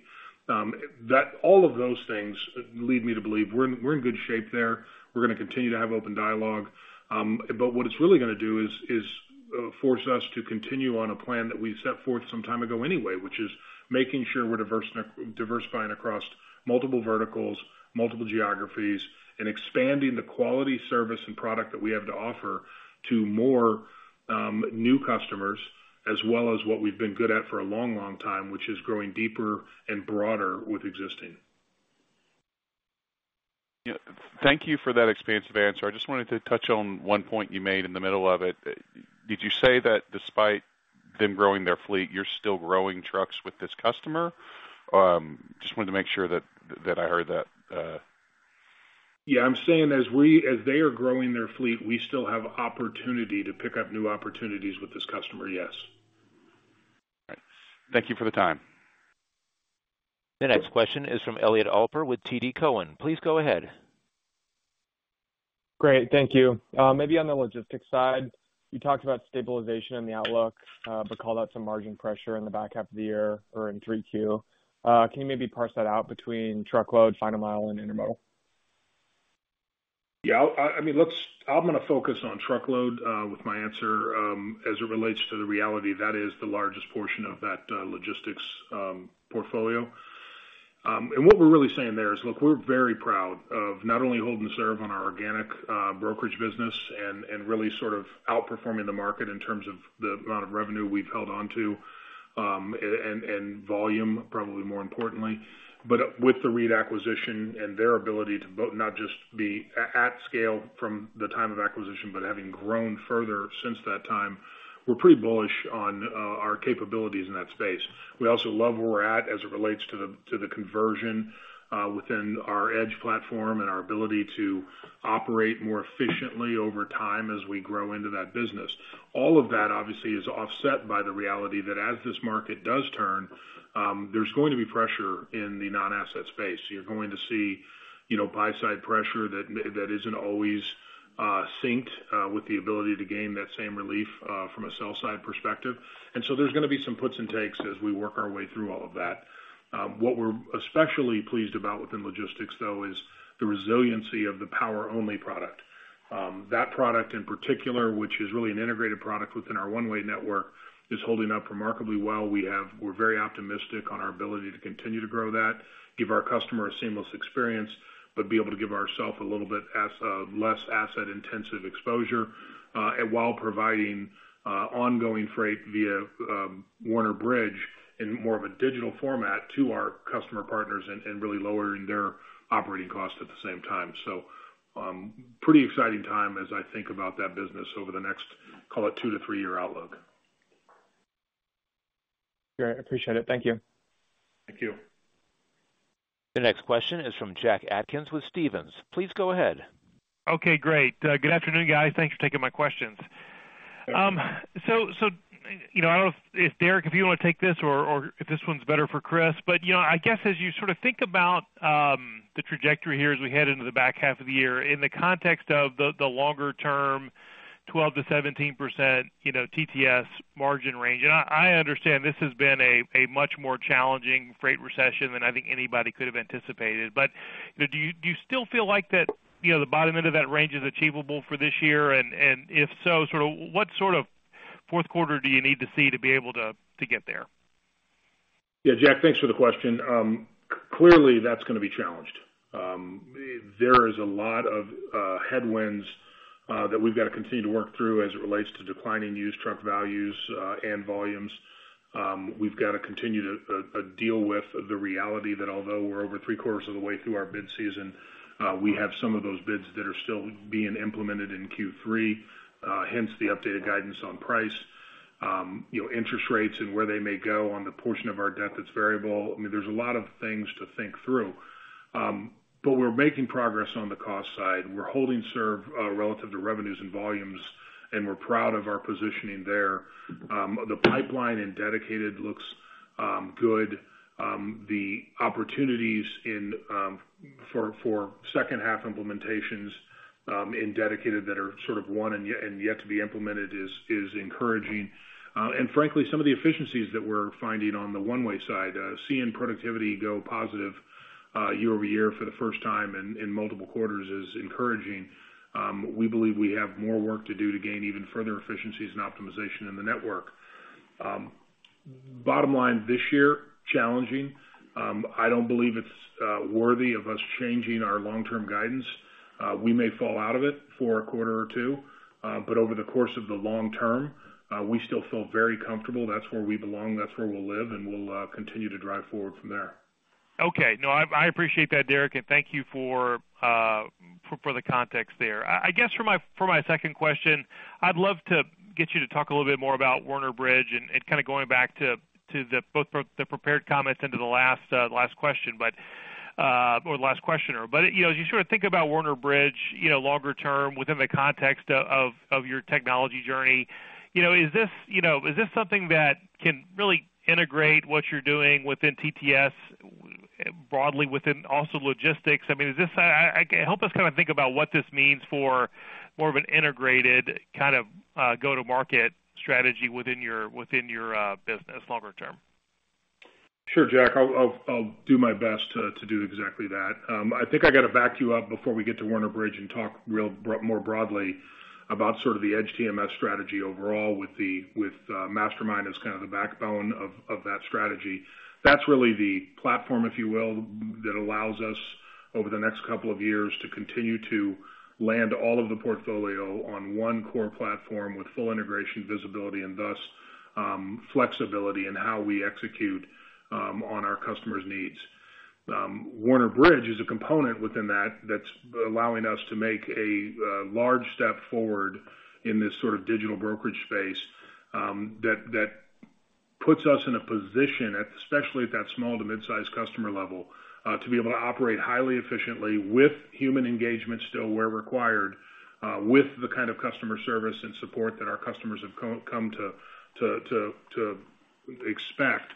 That... All of those things lead me to believe we're, we're in good shape there. We're going to continue to have open dialogue. What it's really going to do is force us to continue on a plan that we set forth some time ago anyway, which is making sure we're diversifying across multiple verticals, multiple geographies, and expanding the quality, service, and product that we have to offer to more new customers, as well as what we've been good at for a long, long time, which is growing deeper and broader with existing. Thank you for that expansive answer. I just wanted to touch on one point you made in the middle of it. Did you say that despite them growing their fleet, you're still growing trucks with this customer? Just wanted to make sure that, that I heard that. Yeah, I'm saying as they are growing their fleet, we still have opportunity to pick up new opportunities with this customer, yes. All right. Thank you for the time. The next question is from Elliot Alper with TD Cowen. Please go ahead. Great. Thank you. Maybe on the logistics side, you talked about stabilization in the outlook, but called out some margin pressure in the back half of the year or in 3Q. Can you maybe parse that out between truckload, final mile, and Intermodal? Yeah, I, I mean, let's... I'm going to focus on truckload with my answer, as it relates to the reality, that is the largest portion of that logistics portfolio. What we're really saying there is, look, we're very proud of not only hold and serve on our organic brokerage business and, and really sort of outperforming the market in terms of the amount of revenue we've held on to.... and, and volume, probably more importantly. With the ReedTMS acquisition and their ability to both not just be at scale from the time of acquisition, but having grown further since that time, we're pretty bullish on our capabilities in that space. We also love where we're at as it relates to the, to the conversion within our EDGE platform and our ability to operate more efficiently over time as we grow into that business. All of that, obviously, is offset by the reality that as this market does turn, there's going to be pressure in the non-asset space. You're going to see, you know, buy-side pressure that, that isn't always synced with the ability to gain that same relief from a sell side perspective. There's gonna be some puts and takes as we work our way through all of that. What we're especially pleased about within logistics, though, is the resiliency of the Power Only product. That product in particular, which is really an integrated product within our one-way network, is holding up remarkably well. We're very optimistic on our ability to continue to grow that, give our customer a seamless experience, but be able to give ourself a little bit as less asset-intensive exposure and while providing ongoing freight via Werner Bridge in more of a digital format to our customer partners and, and really lowering their operating costs at the same time. Pretty exciting time as I think about that business over the next, call it, two to three-year outlook. Great. I appreciate it. Thank you. Thank you. The next question is from Jack Atkins with Stephens. Please go ahead. Okay, great. Good afternoon, guys. Thanks for taking my questions. So, so, you know, I don't know if Derek, if you want to take this or, or if this one's better for Chris. You know, I guess as you sort of think about the trajectory here as we head into the back half of the year, in the context of the, the longer term, 12%-17%, you know, TTS margin range, and I, I understand this has been a, a much more challenging freight recession than I think anybody could have anticipated. Do you, do you still feel like that, you know, the bottom end of that range is achievable for this year? And if so, sort of, what sort of fourth quarter do you need to see to be able to, to get there? Yeah, Jack, thanks for the question. Clearly, that's going to be challenged. There is a lot of headwinds that we've got to continue to work through as it relates to declining used truck values and volumes. We've got to continue to deal with the reality that although we're over three quarters of the way through our bid season, we have some of those bids that are still being implemented in Q3, hence the updated guidance on price. You know, interest rates and where they may go on the portion of our debt, that's variable. I mean, there's a lot of things to think through. But we're making progress on the cost side, and we're holding serve relative to revenues and volumes, and we're proud of our positioning there. The pipeline and dedicated looks good. The opportunities in, for, for second half implementations, in Dedicated that are sort of one and yet to be implemented is, is encouraging. Frankly, some of the efficiencies that we're finding on the one-way side, seeing productivity go positive, year-over-year for the first time in, in multiple quarters is encouraging. We believe we have more work to do to gain even further efficiencies and optimization in the network. Bottom line, this year, challenging. I don't believe it's worthy of us changing our long-term guidance. We may fall out of it for a quarter or two, over the course of the long term, we still feel very comfortable. That's where we belong, that's where we'll live, and we'll continue to drive forward from there. Okay. No, I, I appreciate that, Derek, and thank you for, for, for the context there. I, I guess for my, for my second question, I'd love to get you to talk a little bit more about Werner Bridge and, and kind of going back to, to the both the, the prepared comments and to the last last question, or the last questioner. You know, as you sort of think about Werner Bridge, you know, longer term within the context of, of, of your technology journey, you know, is this, you know, is this something that can really integrate what you're doing within TTS, broadly within also logistics? I mean, is this. I, I, help us kind of think about what this means for more of an integrated, kind of, go-to-market strategy within your, within your, business longer term. Sure, Jack. I'll do my best to do exactly that. I think I got to back you up before we get to Werner Bridge and talk more broadly about sort of the EDGE TMS strategy overall with the MasterMind as kind of the backbone of that strategy. That's really the platform, if you will, that allows us, over the next couple of years, to continue to land all of the portfolio on one core platform with full integration, visibility, and thus, flexibility in how we execute on our customers' needs. Werner Bridge is a component within that that's allowing us to make a large step forward in this sort of digital brokerage space, that, that puts us in a position, at, especially at that small to mid-sized customer level, to be able to operate highly efficiently with human engagement still where required, with the kind of customer service and support that our customers have co- come to, to, to, to expect.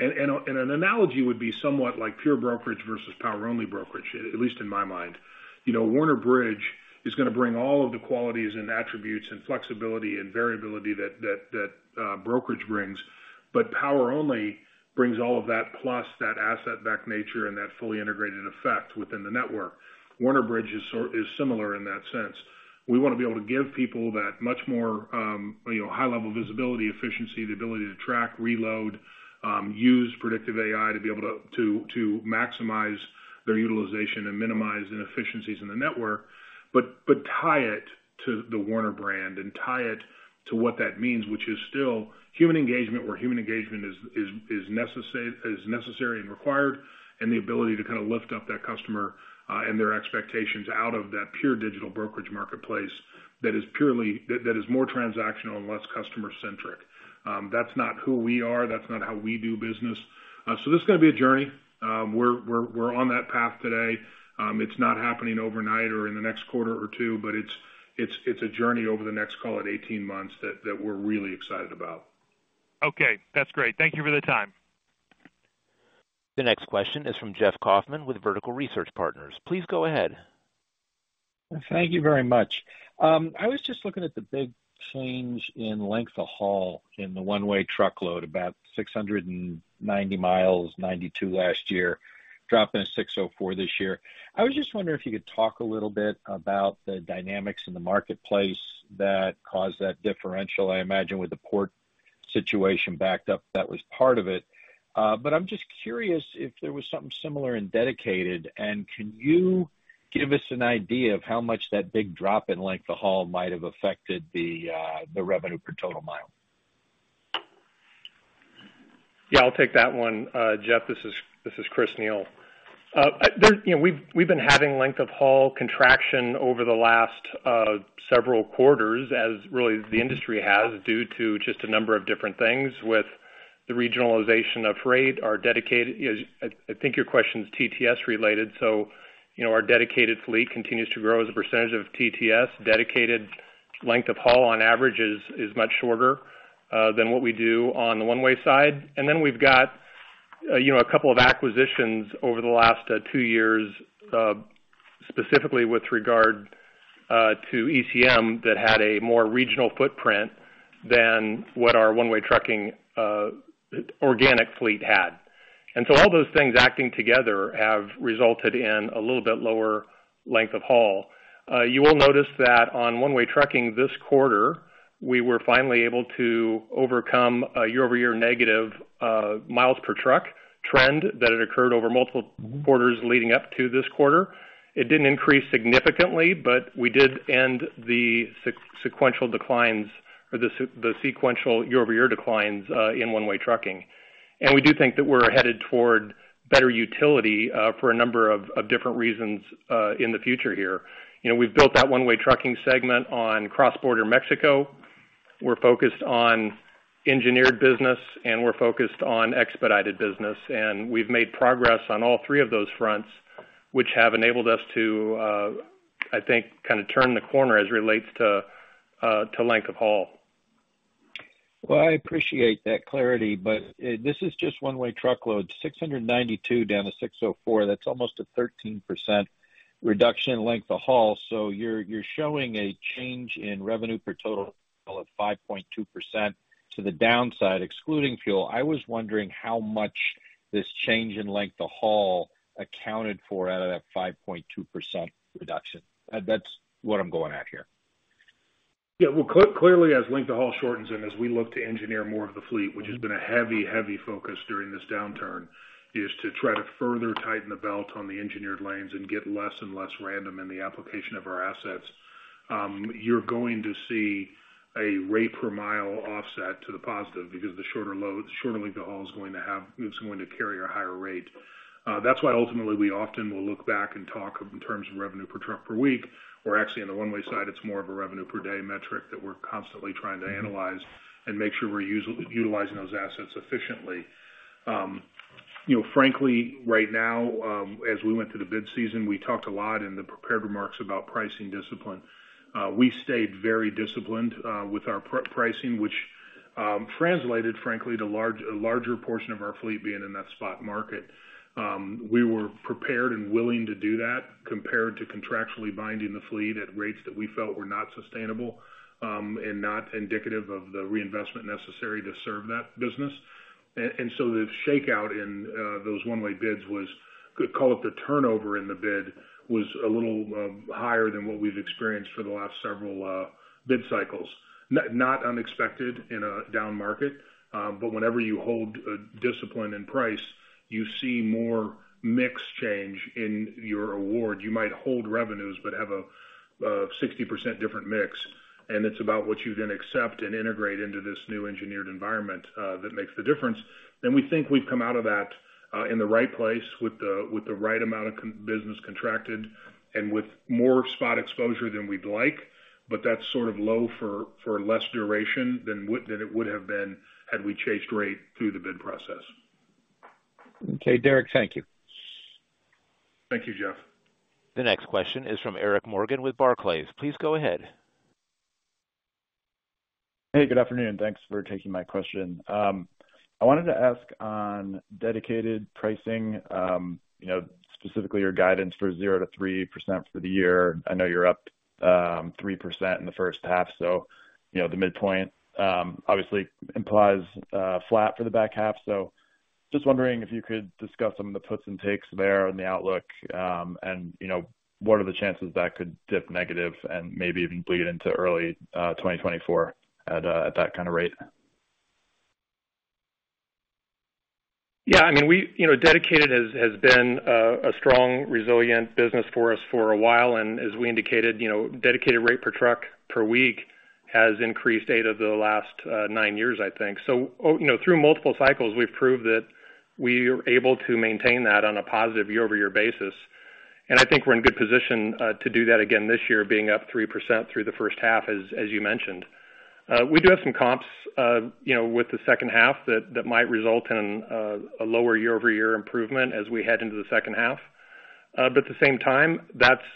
And a, and an analogy would be somewhat like pure brokerage versus Power Only brokerage, at least in my mind. You know, Werner Bridge is going to bring all of the qualities and attributes, and flexibility and variability that, that, that brokerage brings, but Power Only brings all of that, plus that asset back nature and that fully integrated effect within the network. Werner Bridge is sor- is similar in that sense. We want to be able to give people that much more, you know, high level visibility, efficiency, the ability to track, reload, use predictive AI to be able to, to, to maximize their utilization and minimize inefficiencies in the network. But tie it to the Werner brand and tie it to what that means, which is still human engagement, where human engagement is, is, is necessary and required, and the ability to kind of lift up that customer and their expectations out of that pure digital brokerage marketplace that is purely, that, that is more transactional and less customer-centric. That's not who we are, that's not how we do business. So this is gonna be a journey. We're, we're, we're on that path today. It's not happening overnight or in the next quarter or two, but it's, it's, it's a journey over the next, call it 18 months, that, that we're really excited about. Okay. That's great. Thank you for the time. The next question is from Jeff Kauffman with Vertical Research Partners. Please go ahead. Thank you very much. I was just looking at the big change in length of haul in the one-way truckload, about 690 mi, 92 last year, dropping to 604 this year. I was just wondering if you could talk a little bit about the dynamics in the marketplace that caused that differential. I imagine with the port situation backed up, that was part of it. I'm just curious if there was something similar in dedicated, and can you give us an idea of how much that big drop in length of haul might have affected the revenue per total mile? Yeah, I'll take that one. Jeff, this is, this is Chris Neil. There, you know, we've, we've been having length of haul contraction over the last several quarters as really the industry has, due to just a number of different things with the regionalization of freight, our dedicated... You know, I, I think your question is TTS related, so, you know, our dedicated fleet continues to grow as a percentage of TTS. Dedicated length of haul on average is, is much shorter than what we do on the one-way side. Then we've got, you know, a couple of acquisitions over the last two years, specifically with regard to ECM, that had a more regional footprint than what our one-way trucking organic fleet had. So all those things acting together have resulted in a little bit lower length of haul. You will notice that on one-way trucking this quarter, we were finally able to overcome a year-over-year negative, miles per truck trend that had occurred over multiple quarters leading up to this quarter. It didn't increase significantly, but we did end the sequential declines or the sequential year-over-year declines, in one-way trucking. We do think that we're headed toward better utility, for a number of different reasons, in the future here. You know, we've built that one-way trucking segment on cross-border Mexico. We're focused on engineered business, and we're focused on expedited business. We've made progress on all three of those fronts, which have enabled us to, I think, kind of turn the corner as it relates to length of haul. Well, I appreciate that clarity, this is just one-way truckload, 692 down to 604, that's almost a 13% reduction in length of haul. You're, you're showing a change in revenue per total of 5.2% to the downside, excluding fuel. I was wondering how much this change in length of haul accounted for out of that 5.2% reduction. That's what I'm going at here. Yeah. Well, clearly, as length of haul shortens and as we look to engineer more of the fleet, which has been a heavy, heavy focus during this downturn, is to try to further tighten the belt on the engineered lanes and get less and less random in the application of our assets, you're going to see a rate per mile offset to the positive because the shorter loads, the shorter length of haul is going to have it's going to carry a higher rate. That's why ultimately we often will look back and talk in terms of revenue per truck per week, or actually, on the one-way side, it's more of a revenue per day metric that we're constantly trying to analyze and make sure we're utilizing those assets efficiently. You know, frankly, right now, as we went through the bid season, we talked a lot in the prepared remarks about pricing discipline. We stayed very disciplined with our pr- pricing, which translated, frankly, to large- a larger portion of our fleet being in that spot market. We were prepared and willing to do that, compared to contractually binding the fleet at rates that we felt were not sustainable and not indicative of the reinvestment necessary to serve that business. The shakeout in those one-way bids was, call it the turnover in the bid, was a little higher than what we've experienced for the last several bid cycles. N- not unexpected in a down market, but whenever you hold discipline in price, you see more mix change in your award. You might hold revenues but have a, a 60% different mix, and it's about what you then accept and integrate into this new engineered environment that makes the difference. We think we've come out of that in the right place with the, with the right amount of business contracted and with more spot exposure than we'd like, but that's sort of low for, for less duration than would, than it would have been had we chased rate through the bid process. Okay, Derek, thank you. Thank you, Jeff. The next question is from Eric Morgan with Barclays. Please go ahead. Hey, good afternoon. Thanks for taking my question. I wanted to ask on dedicated pricing, you know, specifically your guidance for 0%-3% for the year. I know you're up 3% in the first half, so, you know, the midpoint obviously implies flat for the back half. Just wondering if you could discuss some of the puts and takes there on the outlook, and, you know, what are the chances that could dip negative and maybe even bleed into early 2024 at that kind of rate? Yeah, I mean, we, you know, dedicated has, has been a strong, resilient business for us for a while, and as we indicated, you know, dedicated rate per truck per week has increased eight of the last nine years, I think. You know, through multiple cycles, we've proved that we are able to maintain that on a positive year-over-year basis. I think we're in good position to do that again this year, being up 3% through the first half, as you mentioned. We do have some comps, you know, with the second half that might result in a lower year-over-year improvement as we head into the second half. At the same time, that's,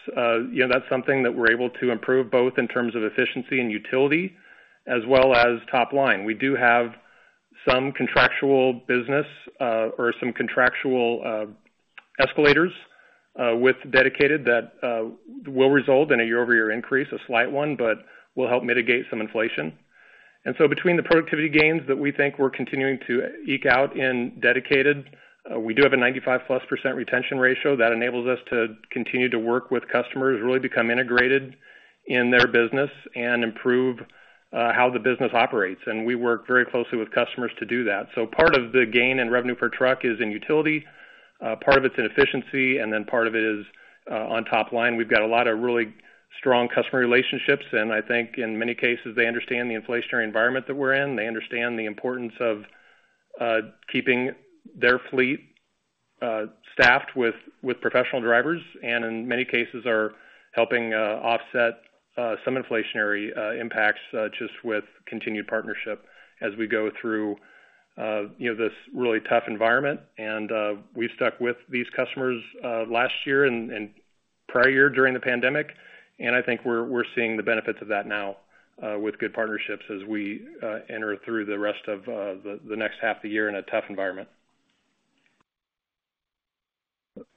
you know, that's something that we're able to improve, both in terms of efficiency and utility, as well as top line. We do have some contractual business, or some contractual, escalators, with dedicated that, will result in a year-over-year increase, a slight one, but will help mitigate some inflation. Between the productivity gains that we think we're continuing to eke out in dedicated, we do have a 95%+ retention ratio that enables us to continue to work with customers, really become integrated in their business and improve, how the business operates, and we work very closely with customers to do that. Part of the gain in revenue per truck is in utility, part of it's in efficiency, and then part of it is, on top line. We've got a lot of really strong customer relationships, and I think in many cases, they understand the inflationary environment that we're in. They understand the importance of, keeping their fleet, staffed with, with professional drivers, and in many cases are helping, offset, some inflationary, impacts, just with continued partnership as we go through, you know, this really tough environment. We stuck with these customers, last year and, and prior year during the pandemic, and I think we're, we're seeing the benefits of that now, with good partnerships as we, enter through the rest of, the, the next half of the year in a tough environment.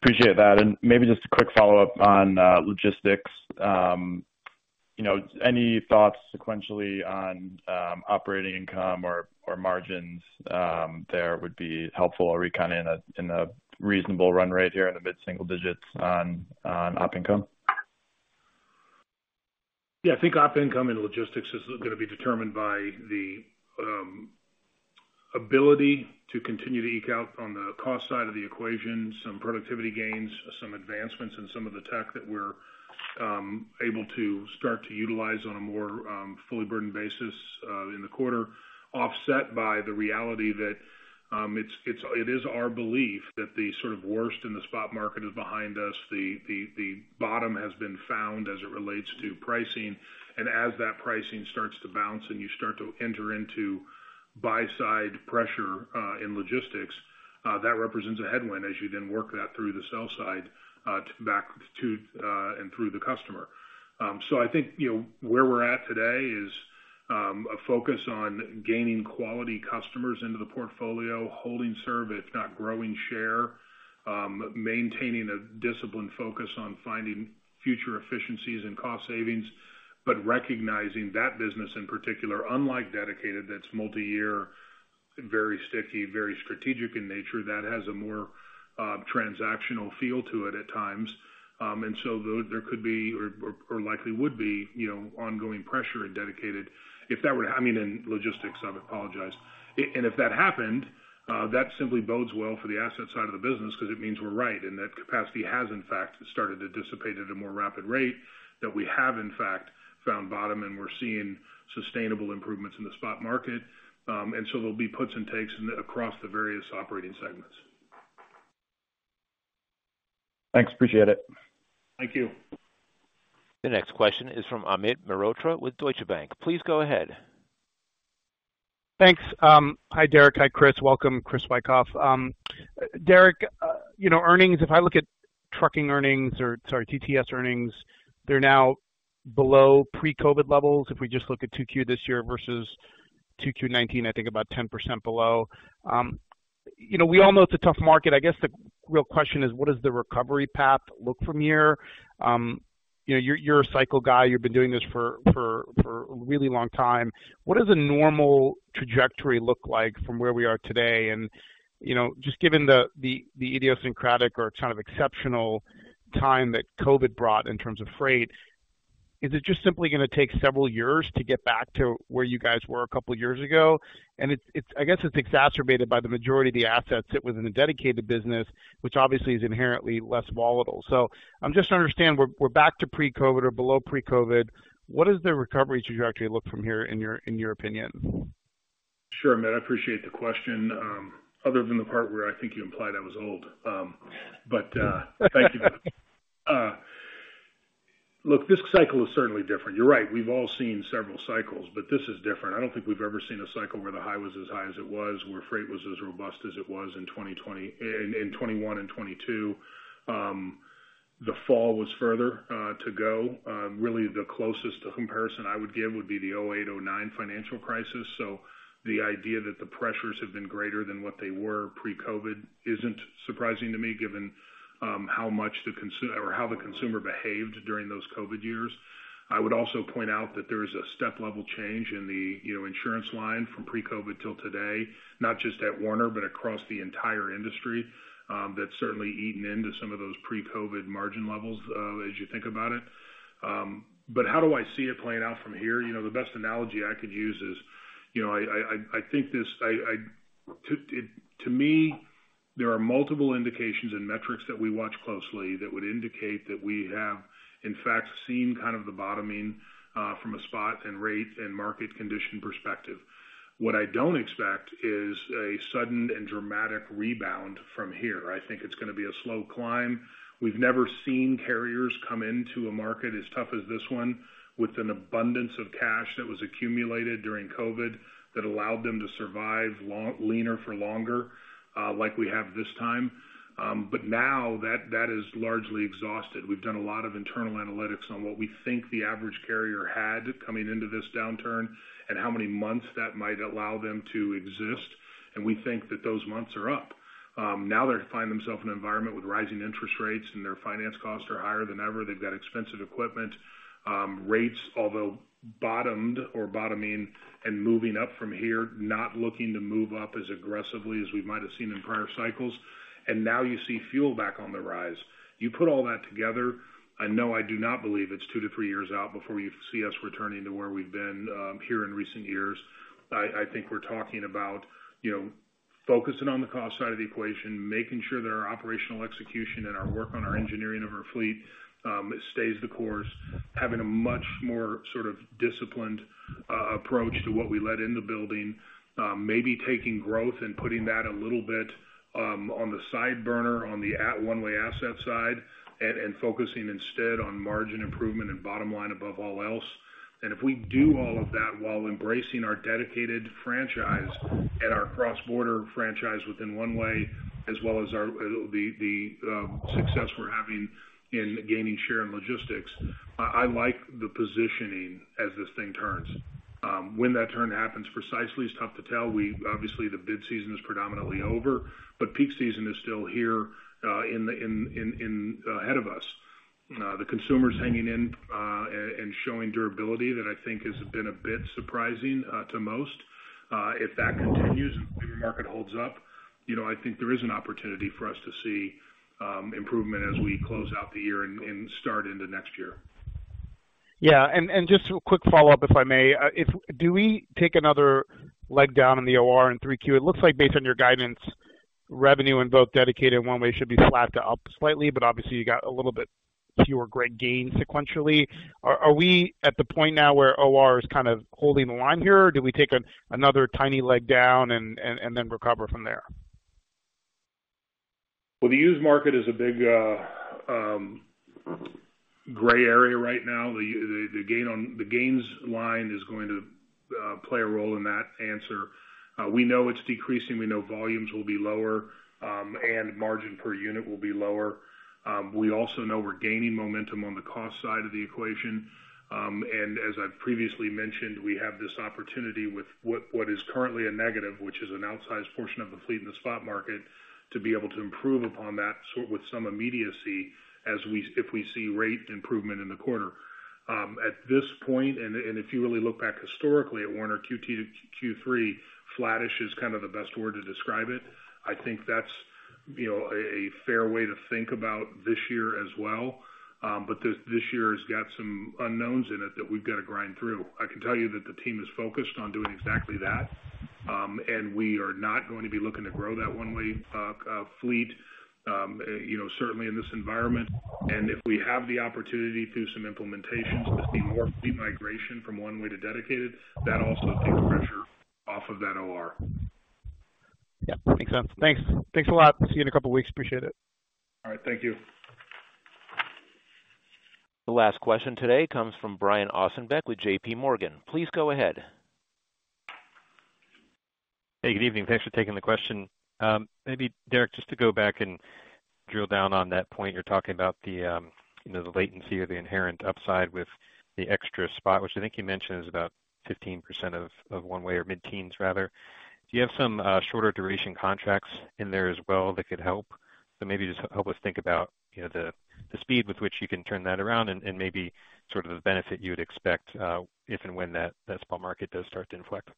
Appreciate that. Maybe just a quick follow-up on logistics. You know, any thoughts sequentially on operating income or, or margins there would be helpful? Are we kind of in a reasonable run rate here in the mid-single digits on op income? Yeah, I think op income and logistics is gonna be determined by the ability to continue to eke out on the cost side of the equation, some productivity gains, some advancements in some of the tech that we're able to start to utilize on a more fully burdened basis in the quarter, offset by the reality that it is our belief that the sort of worst in the spot market is behind us. The bottom has been found as it relates to pricing, and as that pricing starts to bounce and you start to enter into buy-side pressure in logistics, that represents a headwind as you then work that through the sell side back to and through the customer. I think, you know, where we're at today is a focus on gaining quality customers into the portfolio, holding serve, if not growing share, maintaining a disciplined focus on finding future efficiencies and cost savings, but recognizing that business in particular, unlike dedicated, that's multiyear, very sticky, very strategic in nature, that has a more transactional feel to it at times. There could be or, or, or likely would be, you know, ongoing pressure in dedicated. I mean, in logistics, I apologize. If that happened, that simply bodes well for the asset side of the business because it means we're right, and that capacity has in fact started to dissipate at a more rapid rate, that we have in fact found bottom, and we're seeing sustainable improvements in the spot market. So there'll be puts and takes across the various operating segments. Thanks, appreciate it. Thank you. The next question is from Amit Mehrotra with Deutsche Bank. Please go ahead. Thanks. Hi, Derek. Hi, Chris. Welcome, Chris Wikoff. Derek, you know, earnings, if I look at trucking earnings or, sorry, TTS earnings, they're now below pre-COVID levels. If we just look at 2Q this year versus 2Q 2019, I think about 10% below. You know, we all know it's a tough market. I guess the real question is: what does the recovery path look from here? You know, you're, you're a cycle guy. You've been doing this for a really long time. What does a normal trajectory look like from where we are today? You know, just given the idiosyncratic or kind of exceptional time that COVID brought in terms of freight, is it just simply gonna take several years to get back to where you guys were a couple of years ago? I guess it's exacerbated by the majority of the assets sit within the dedicated business, which obviously is inherently less volatile. I'm just to understand, we're, we're back to pre-COVID or below pre-COVID. What does the recovery trajectory look from here, in your, in your opinion? Sure, Amit, I appreciate the question. Other than the part where I think you implied I was old. Thank you. Look, this cycle is certainly different. You're right, we've all seen several cycles, but this is different. I don't think we've ever seen a cycle where the high was as high as it was, where freight was as robust as it was in 2020- in, in 2021 and 2022. The fall was further to go. Really, the closest comparison I would give would be the 2008, 2009 financial crisis. The idea that the pressures have been greater than what they were pre-COVID isn't surprising to me, given how much the consu- or how the consumer behaved during those COVID years. I would also point out that there is a step-level change in the, you know, insurance line from pre-COVID till today, not just at Werner, but across the entire industry. That's certainly eaten into some of those pre-COVID margin levels as you think about it. How do I see it playing out from here? You know, the best analogy I could use is... You know, I, I, I think this, I, I, to, it, to me, there are multiple indications and metrics that we watch closely that would indicate that we have, in fact, seen kind of the bottoming from a spot and rate and market condition perspective. What I don't expect is a sudden and dramatic rebound from here. I think it's gonna be a slow climb. We've never seen carriers come into a market as tough as this one, with an abundance of cash that was accumulated during COVID, that allowed them to survive long- leaner for longer, like we have this time. Now that, that is largely exhausted. We've done a lot of internal analytics on what we think the average carrier had coming into this downturn and how many months that might allow them to exist, and we think that those months are up. Now they're finding themselves in an environment with rising interest rates, and their finance costs are higher than ever. They've got expensive equipment, rates, although bottomed or bottoming and moving up from here, not looking to move up as aggressively as we might have seen in prior cycles. Now you see fuel back on the rise. You put all that together, I know I do not believe it's two to three years out before you see us returning to where we've been here in recent years. I, I think we're talking about, you know, focusing on the cost side of the equation, making sure that our operational execution and our work on our engineering of our fleet stays the course. Having a much more sort of disciplined approach to what we let in the building. Maybe taking growth and putting that a little bit on the side burner, on the one-way asset side, and focusing instead on margin improvement and bottom line above all else. If we do all of that while embracing our dedicated franchise and our cross-border franchise within one-way, as well as our, the, the, success we're having in gaining share and logistics, I, I like the positioning as this thing turns. When that turn happens precisely, it's tough to tell. Obviously, the bid season is predominantly over, but peak season is still here, in the, in, in, in, ahead of us. The consumer's hanging in, and showing durability that I think has been a bit surprising, to most. If that continues and the market holds up, you know, I think there is an opportunity for us to see, improvement as we close out the year and, and start into next year. Yeah, just a quick follow-up, if I may. Do we take another leg down in the OR in 3Q? It looks like based on your guidance, revenue in both dedicated and one-way should be flat to up slightly, but obviously you got a little bit fewer great gains sequentially. Are we at the point now where OR is kind of holding the line here, or do we take another tiny leg down and then recover from there? Well, the used market is a big gray area right now. The, the, the gain on... The gains line is going to play a role in that answer. We know it's decreasing, we know volumes will be lower, and margin per unit will be lower. We also know we're gaining momentum on the cost side of the equation. As I've previously mentioned, we have this opportunity with what, what is currently a negative, which is an outsized portion of the fleet in the spot market, to be able to improve upon that with some immediacy as we if we see rate improvement in the quarter. At this point, and, and if you really look back historically at Werner Q2 to Q3, flattish is kind of the best word to describe it. I think that's, you know, a fair way to think about this year as well. This, this year has got some unknowns in it that we've got to grind through. I can tell you that the team is focused on doing exactly that, and we are not going to be looking to grow that one-way fleet, you know, certainly in this environment. If we have the opportunity through some implementations to see more fleet migration from one-way to dedicated, that also takes pressure off of that OR. Yeah, makes sense. Thanks. Thanks a lot. See you in a couple of weeks. Appreciate it. All right, thank you. The last question today comes from Brian Ossenbeck with JPMorgan. Please go ahead. Hey, good evening. Thanks for taking the question. Maybe, Derek, just to go back and drill down on that point, you're talking about the, you know, the latency or the inherent upside with the extra spot, which I think you mentioned is about 15% of, of one-way or mid-teens, rather. Do you have some shorter duration contracts in there as well, that could help? Maybe just help us think about, you know, the, the speed with which you can turn that around and, and maybe sort of the benefit you'd expect, if and when that, that spot market does start to inflect.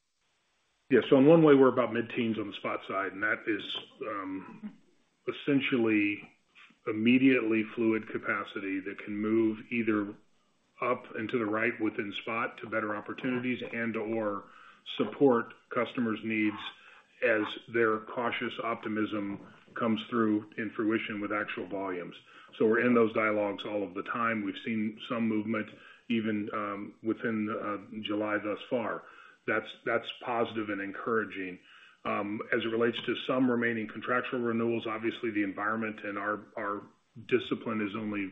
Yeah. In one-way, we're about mid-teens on the spot side, and that is, essentially immediately fluid capacity that can move either up into the right within spot to better opportunities and/or support customers' needs as their cautious optimism comes through in fruition with actual volumes. We're in those dialogues all of the time. We've seen some movement even, within July thus far. That's positive and encouraging. As it relates to some remaining contractual renewals, obviously, the environment and our, our discipline is only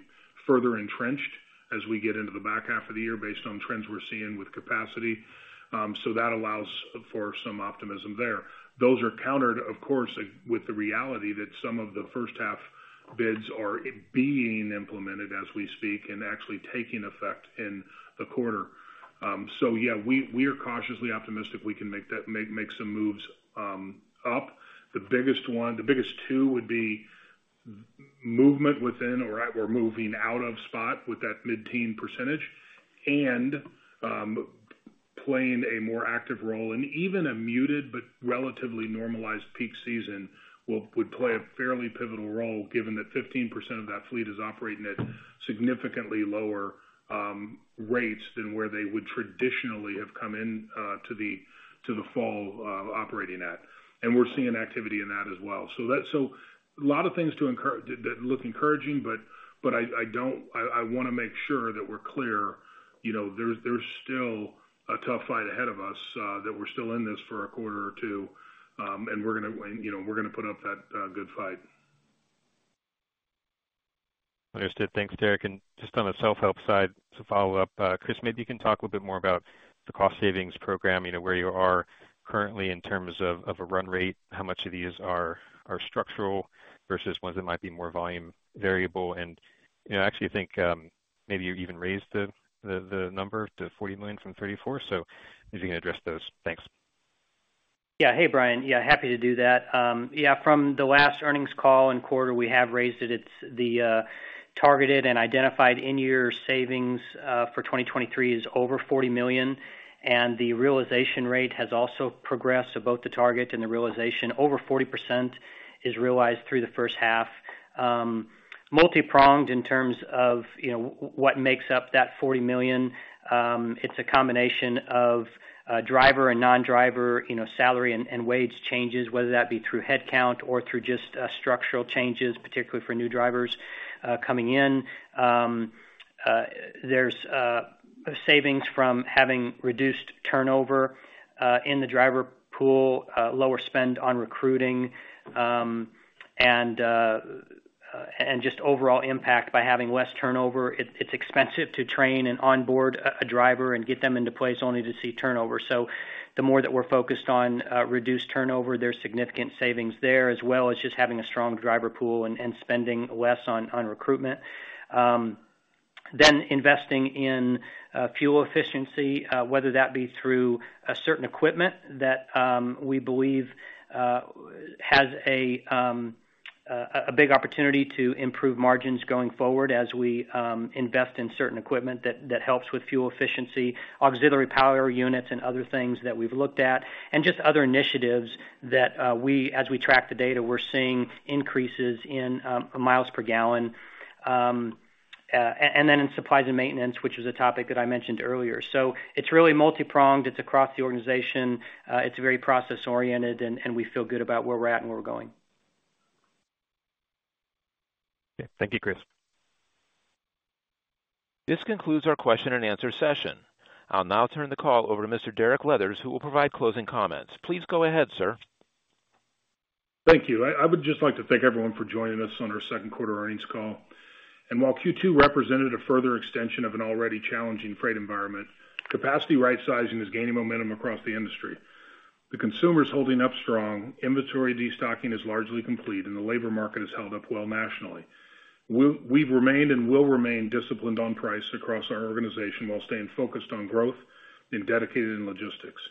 further entrenched as we get into the back half of the year based on trends we're seeing with capacity. That allows for some optimism there. Those are countered, of course, with the reality that some of the first half bids are being implemented as we speak, and actually taking effect in the quarter. Yeah, we, we are cautiously optimistic we can make that, make, make some moves up. The biggest one- the biggest two would be movement within or out, or moving out of spot with that mid-teen percentage and playing a more active role, and even a muted but relatively normalized peak season will, would play a fairly pivotal role, given that 15% of that fleet is operating at significantly lower rates than where they would traditionally have come in to the fall operating at. We're seeing activity in that as well. That's a lot of things to encourage, that look encouraging, but I don't, I wanna make sure that we're clear, you know, there's, there's still a tough fight ahead of us. That we're still in this for a quarter or two, and we're gonna, you know, we're gonna put up that good fight. Understood. Thanks, Derek. Just on the self-help side, to follow up, Chris, maybe you can talk a little bit more about the cost savings program. You know, where you are currently in terms of a run rate, how much of these are structural versus ones that might be more volume variable? You know, I actually think maybe you even raised the number to $40 million from $34 million. If you can address those. Thanks. Yeah. Hey, Brian. Yeah, happy to do that. Yeah, from the last earnings call and quarter, we have raised it. It's the targeted and identified in-year savings for 2023 is over $40 million, and the realization rate has also progressed. Both the target and the realization, over 40% is realized through the first half. Multi-pronged in terms of, you know, what makes up that $40 million. It's a combination of driver and non-driver, you know, salary and wage changes, whether that be through headcount or through just structural changes, particularly for new drivers coming in. There's savings from having reduced turnover in the driver pool, lower spend on recruiting, and just overall impact by having less turnover. It's expensive to train and onboard a driver and get them into place, only to see turnover. The more that we're focused on reduced turnover, there's significant savings there, as well as just having a strong driver pool and spending less on recruitment. Investing in fuel efficiency, whether that be through a certain equipment that we believe has a big opportunity to improve margins going forward as we invest in certain equipment that helps with fuel efficiency, auxiliary power units, and other things that we've looked at, and just other initiatives that we, as we track the data, we're seeing increases in miles per gallon. In supplies and maintenance, which is a topic that I mentioned earlier. It's really multi-pronged. It's across the organization. It's very process-oriented, and, and we feel good about where we're at and where we're going. Okay. Thank you, Chris. This concludes our question and answer session. I'll now turn the call over to Mr. Derek Leathers, who will provide closing comments. Please go ahead, sir. Thank you. I would just like to thank everyone for joining us on our second quarter earnings call. While Q2 represented a further extension of an already challenging freight environment, capacity rightsizing is gaining momentum across the industry. The consumer is holding up strong, inventory destocking is largely complete, and the labor market has held up well nationally. We've remained and will remain disciplined on price across our organization, while staying focused on growth and dedicated in logistics.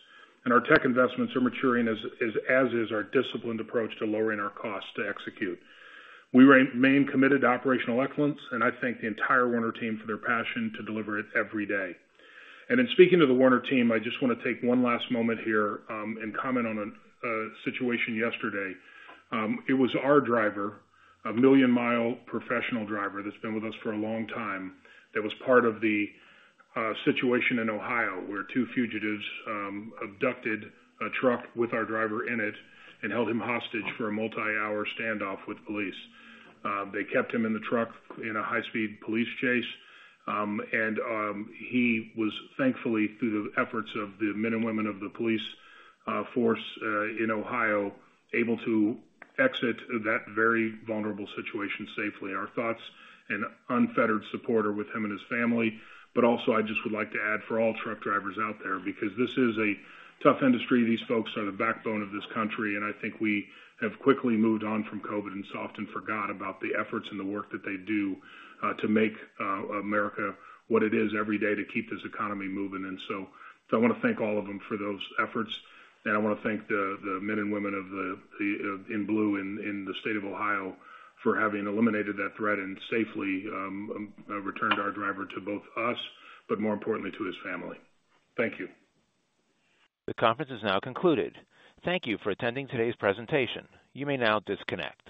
Our tech investments are maturing as is our disciplined approach to lowering our costs to execute. We remain committed to operational excellence, and I thank the entire Werner team for their passion to deliver it every day. In speaking to the Werner team, I just want to take one last moment here, and comment on a situation yesterday. It was our driver, a 1 million mi professional driver that's been with us for a long time, that was part of the situation in Ohio, where two fugitives abducted a truck with our driver in it and held him hostage for a multi-hour standoff with police. They kept him in the truck in a high-speed police chase, and he was thankfully, through the efforts of the men and women of the police force in Ohio, able to exit that very vulnerable situation safely. Our thoughts and unfettered support are with him and his family. I just would like to add, for all truck drivers out there, because this is a tough industry, these folks are the backbone of this country, and I think we have quickly moved on from COVID and often forgot about the efforts and the work that they do, to make America what it is every day, to keep this economy moving. So I want to thank all of them for those efforts, and I want to thank the men and women of the in blue in the state of Ohio for having eliminated that threat and safely returned our driver to both us, but more importantly, to his family. Thank you. The conference is now concluded. Thank you for attending today's presentation. You may now disconnect.